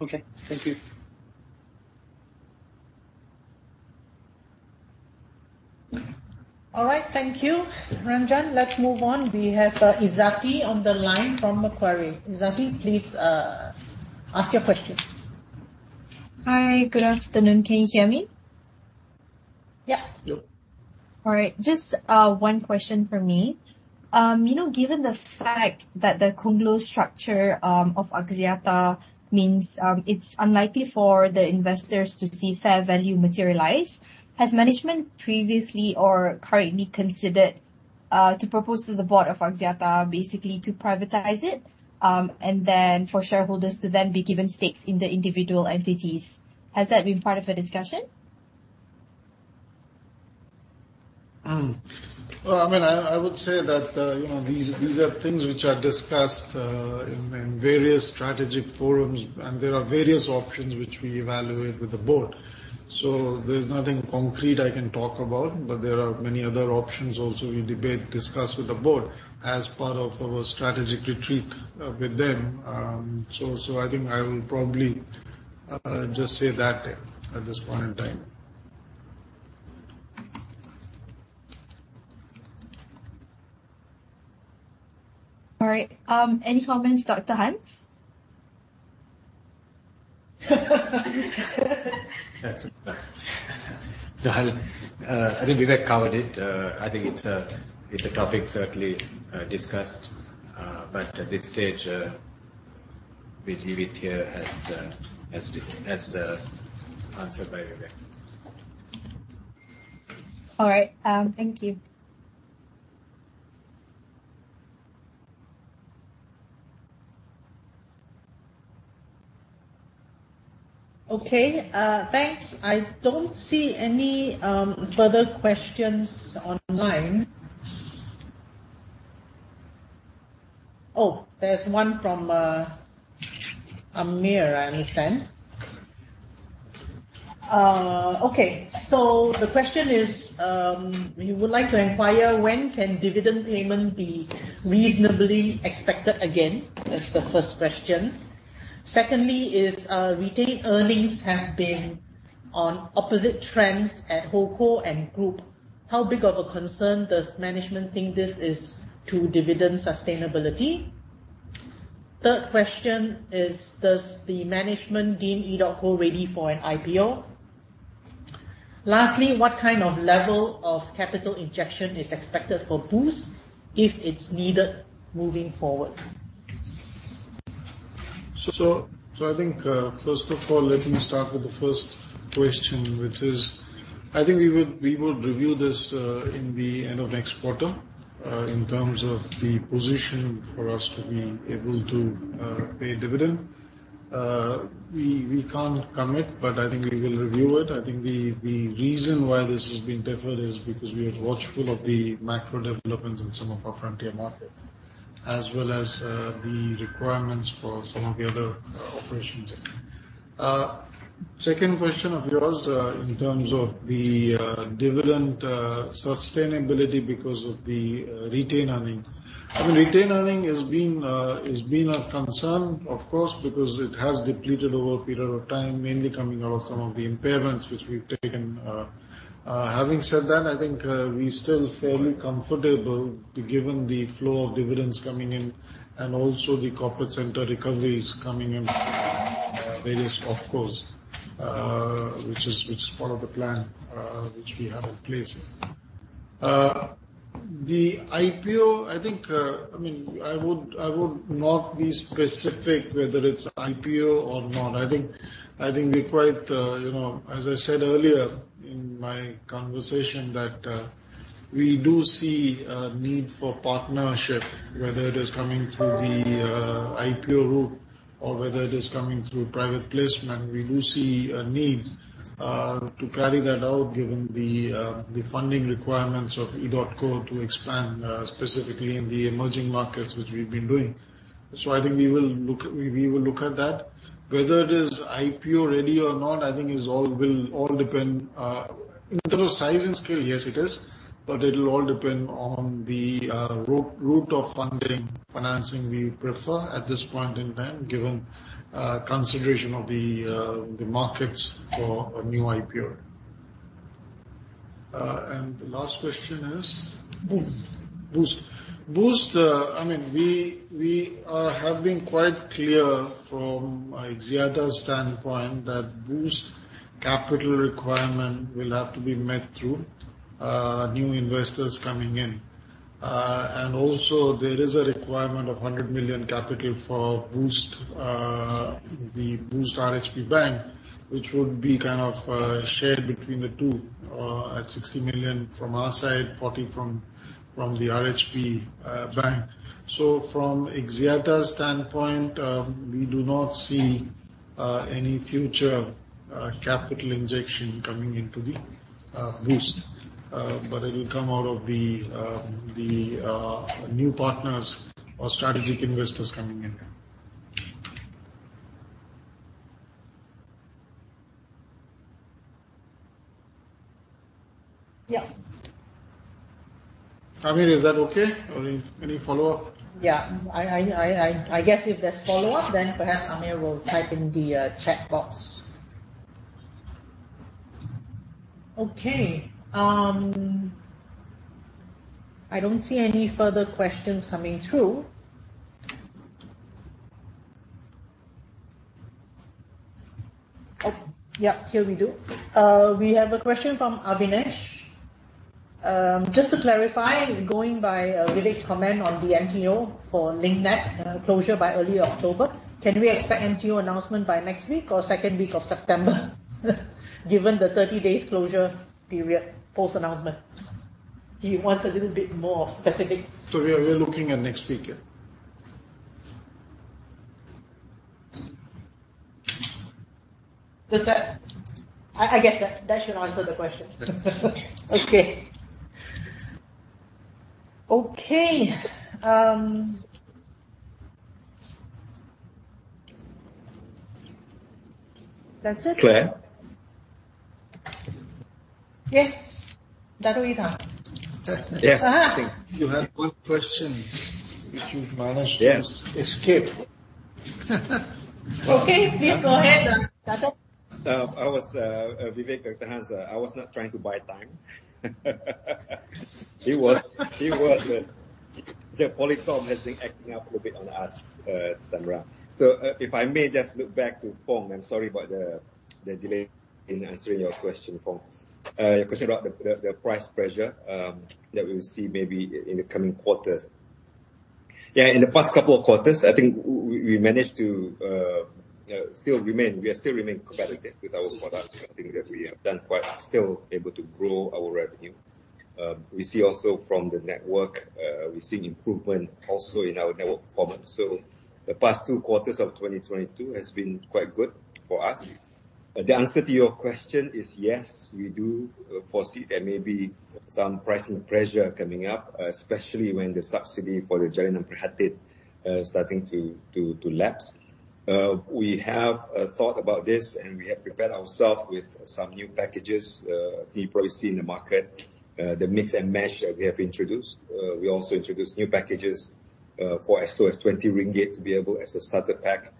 Okay. Thank you. All right. Thank you, Ranjan. Let's move on. We have, Izzati on the line from Macquarie. Izzati, please, ask your questions. Hi. Good afternoon. Can you hear me? Yeah. All right. Just one question from me. You know, given the fact that the conglomerate structure of Axiata means it's unlikely for the investors to see fair value materialize, has management previously or currently considered to propose to the board of Axiata basically to privatize it, and then for shareholders to then be given stakes in the individual entities. Has that been part of a discussion? Well, I mean, I would say that, you know, these are things which are discussed in various strategic forums, and there are various options which we evaluate with the board. There's nothing concrete I can talk about, but there are many other options also we debate, discuss with the board as part of our strategic retreat with them. I think I will probably just say that at this point in time. All right. Any comments, Dr. Hans? That's okay. I think Vivek covered it. I think it's a topic certainly discussed. At this stage, we leave it here as the answer by Vivek. All right. Thank you. Okay. Thanks. I don't see any further questions online. There's one from Amir, I understand. Okay. So the question is, we would like to inquire when can dividend payment be reasonably expected again? That's the first question. Secondly is, retained earnings have been on opposite trends at Holdco and Group. How big of a concern does management think this is to dividend sustainability? Third question is, does the management deem edotco ready for an IPO? Lastly, what kind of level of capital injection is expected for Boost if it's needed moving forward? So I think, first of all, let me start with the first question, which is, I think we will review this in the end of next quarter in terms of the position for us to be able to pay dividend. We can't commit, but I think we will review it. I think the reason why this has been deferred is because we are watchful of the macro developments in some of our frontier markets, as well as the requirements for some of the other operations. Second question of yours, in terms of the dividend sustainability because of the retained earnings. I mean, retained earnings has been a concern, of course, because it has depleted over a period of time, mainly coming out of some of the impairments which we've taken. Having said that, I think we still fairly comfortable given the flow of dividends coming in and also the corporate center recoveries coming in, various OpCos, which is part of the plan, which we have in place. The IPO, I think, I mean, I would not be specific whether it's IPO or not. I think we quite, you know, as I said earlier in my conversation, that we do see a need for partnership, whether it is coming through the IPO route or whether it is coming through private placement. We do see a need to carry that out given the funding requirements of edotco to expand, specifically in the emerging markets which we've been doing. I think we will look at that. Whether it is IPO-ready or not, I think is all. will all depend in terms of size and scale, yes, it is, but it'll all depend on the route of funding, financing we prefer at this point in time, given consideration of the markets for a new IPO. The last question is Boost. I mean, we have been quite clear from Axiata's standpoint that Boost capital requirement will have to be met through new investors coming in. There is a requirement of 100 million capital for Boost, the Boost RHB Bank, which would be kind of shared between the two at 60 million from our side, 40 million from the RHB Bank. From Axiata's standpoint, we do not see any future capital injection coming into the Boost. It will come out of the new partners or strategic investors coming in there. Yeah. Amir, is that okay? Or any follow-up? Yeah. I guess if there's follow-up, then perhaps Amir will type in the chat box. Okay. I don't see any further questions coming through. Yeah, here we do. We have a question from Avinesh. Just to clarify, going by Vivek's comment on the MTO for Link Net closure by early October, can we expect MTO announcement by next week or second week of September? Yeah. Okay. Okay, that's it. Claire? Yes, Dato' Idham? Yes. Uh-huh. I think you had one question which you managed. Yes. to escape. Okay, please go ahead, Dato. I was, Vivek, Dr. Hans, I was not trying to buy time. He was, but the Polycom has been acting up a little bit on us, this time around. If I may just look back to Foong. I'm sorry about the delay in answering your question, Foong. Your question about the price pressure that we'll see maybe in the coming quarters. In the past couple of quarters, I think we managed to still remain competitive with our products. I think that we have done quite still able to grow our revenue. We see also from the network, we're seeing improvement also in our network performance. The past two quarters of 2022 has been quite good for us. The answer to your question is yes, we do foresee there may be some pricing pressure coming up, especially when the subsidy for the Jaringan Prihatin starting to lapse. We have thought about this, and we have prepared ourself with some new packages. You probably see in the market the mix and match that we have introduced. We also introduced new packages for as low as 20 ringgit to be able as a starter pack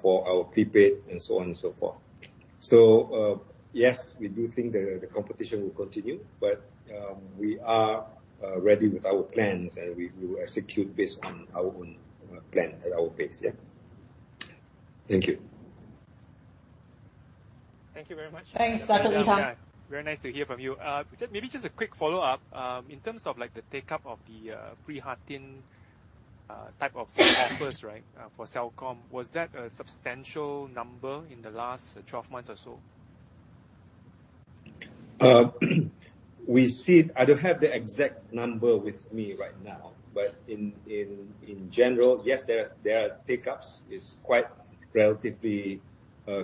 for our prepaid and so on and so forth. Yes, we do think the competition will continue, but we are ready with our plans, and we will execute based on our own plan at our pace, yeah. Thank you. Thank you very much. Thanks, Dato' Idham. Yeah, very nice to hear from you. Maybe just a quick follow-up. In terms of, like, the take-up of the Prihatin type of offers, right, for Celcom, was that a substantial number in the last 12 months or so? I don't have the exact number with me right now, but in general, yes, their take-ups is quite relatively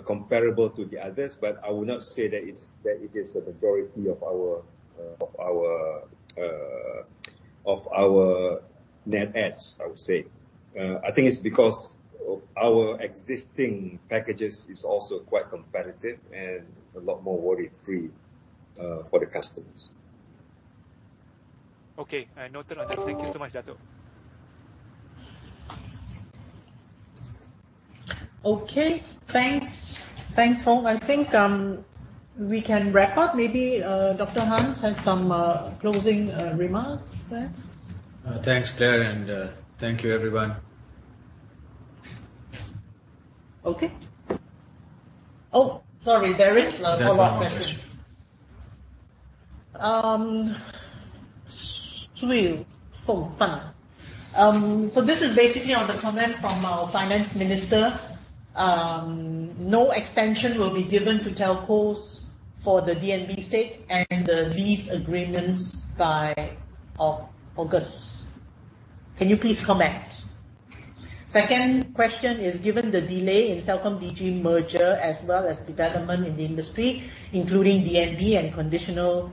comparable to the others, but I would not say that it is a majority of our net adds, I would say. I think it's because our existing packages is also quite competitive and a lot more worry-free for the customers. Okay. I noted on that. Thank you so much, Dato'. Okay. Thanks. Thanks, Foong. I think we can wrap up. Maybe Dr. Hans has some closing remarks. Thanks. Thanks, Claire, and thank you, everyone. Okay. Oh, sorry. There is a follow-up question. There's one more question. Sui Fung Tan. This is basically on the comment from our finance minister. No extension will be given to telcos for the DNB stake and the lease agreements by August. Can you please comment? Second question is, given the delay in CelcomDigi merger as well as development in the industry, including DNB and conditional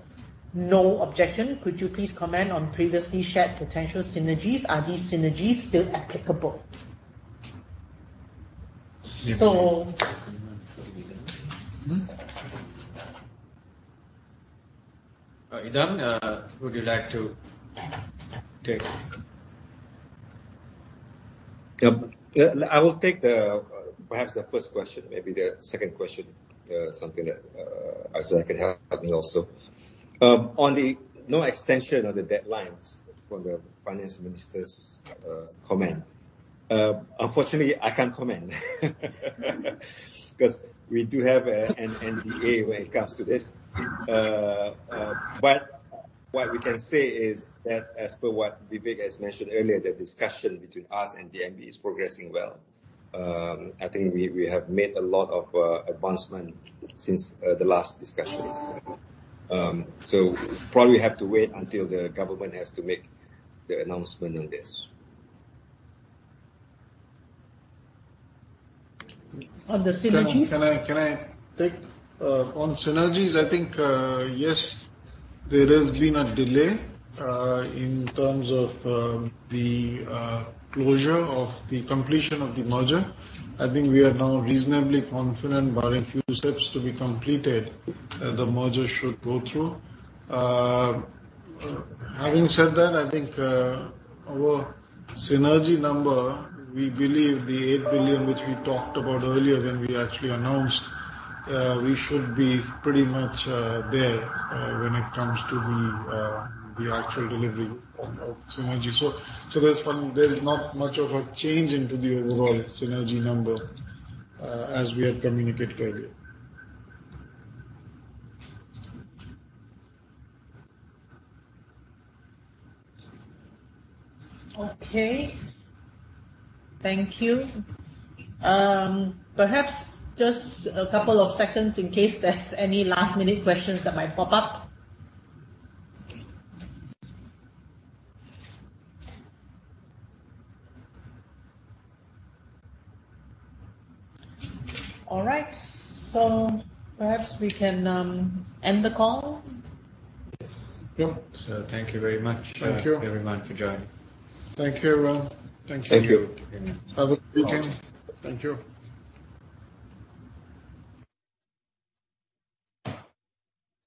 no objection, could you please comment on previously shared potential synergies? Are these synergies still applicable? Excuse me. All right, Idham, would you like to take? I will take perhaps the first question. Maybe the second question, something that Azra could help me also. On the no extension on the deadlines from the finance minister's comment. Unfortunately, I can't comment. 'Cause we do have an NDA when it comes to this. What we can say is that as per what Vivek has mentioned earlier, the discussion between us and DNB is progressing well. I think we have made a lot of advancement since the last discussions. Probably have to wait until the government has to make their announcement on this. On the synergies. Idham, can I take? On synergies, I think yes, there has been a delay in terms of the closure of the completion of the merger. I think we are now reasonably confident, barring few steps to be completed, the merger should go through. Having said that, I think our synergy number, we believe the 8 billion which we talked about earlier when we actually announced, we should be pretty much there when it comes to the actual delivery of synergy. There's not much of a change into the overall synergy number as we have communicated earlier. Okay. Thank you. Perhaps just a couple of seconds in case there's any last-minute questions that might pop up. All right. Perhaps we can end the call. Yes. Yeah. Thank you very much. Thank you. Thank you, everyone, for joining. Thank you, everyone. Thanks. Thank you. Have a good weekend. Thank you.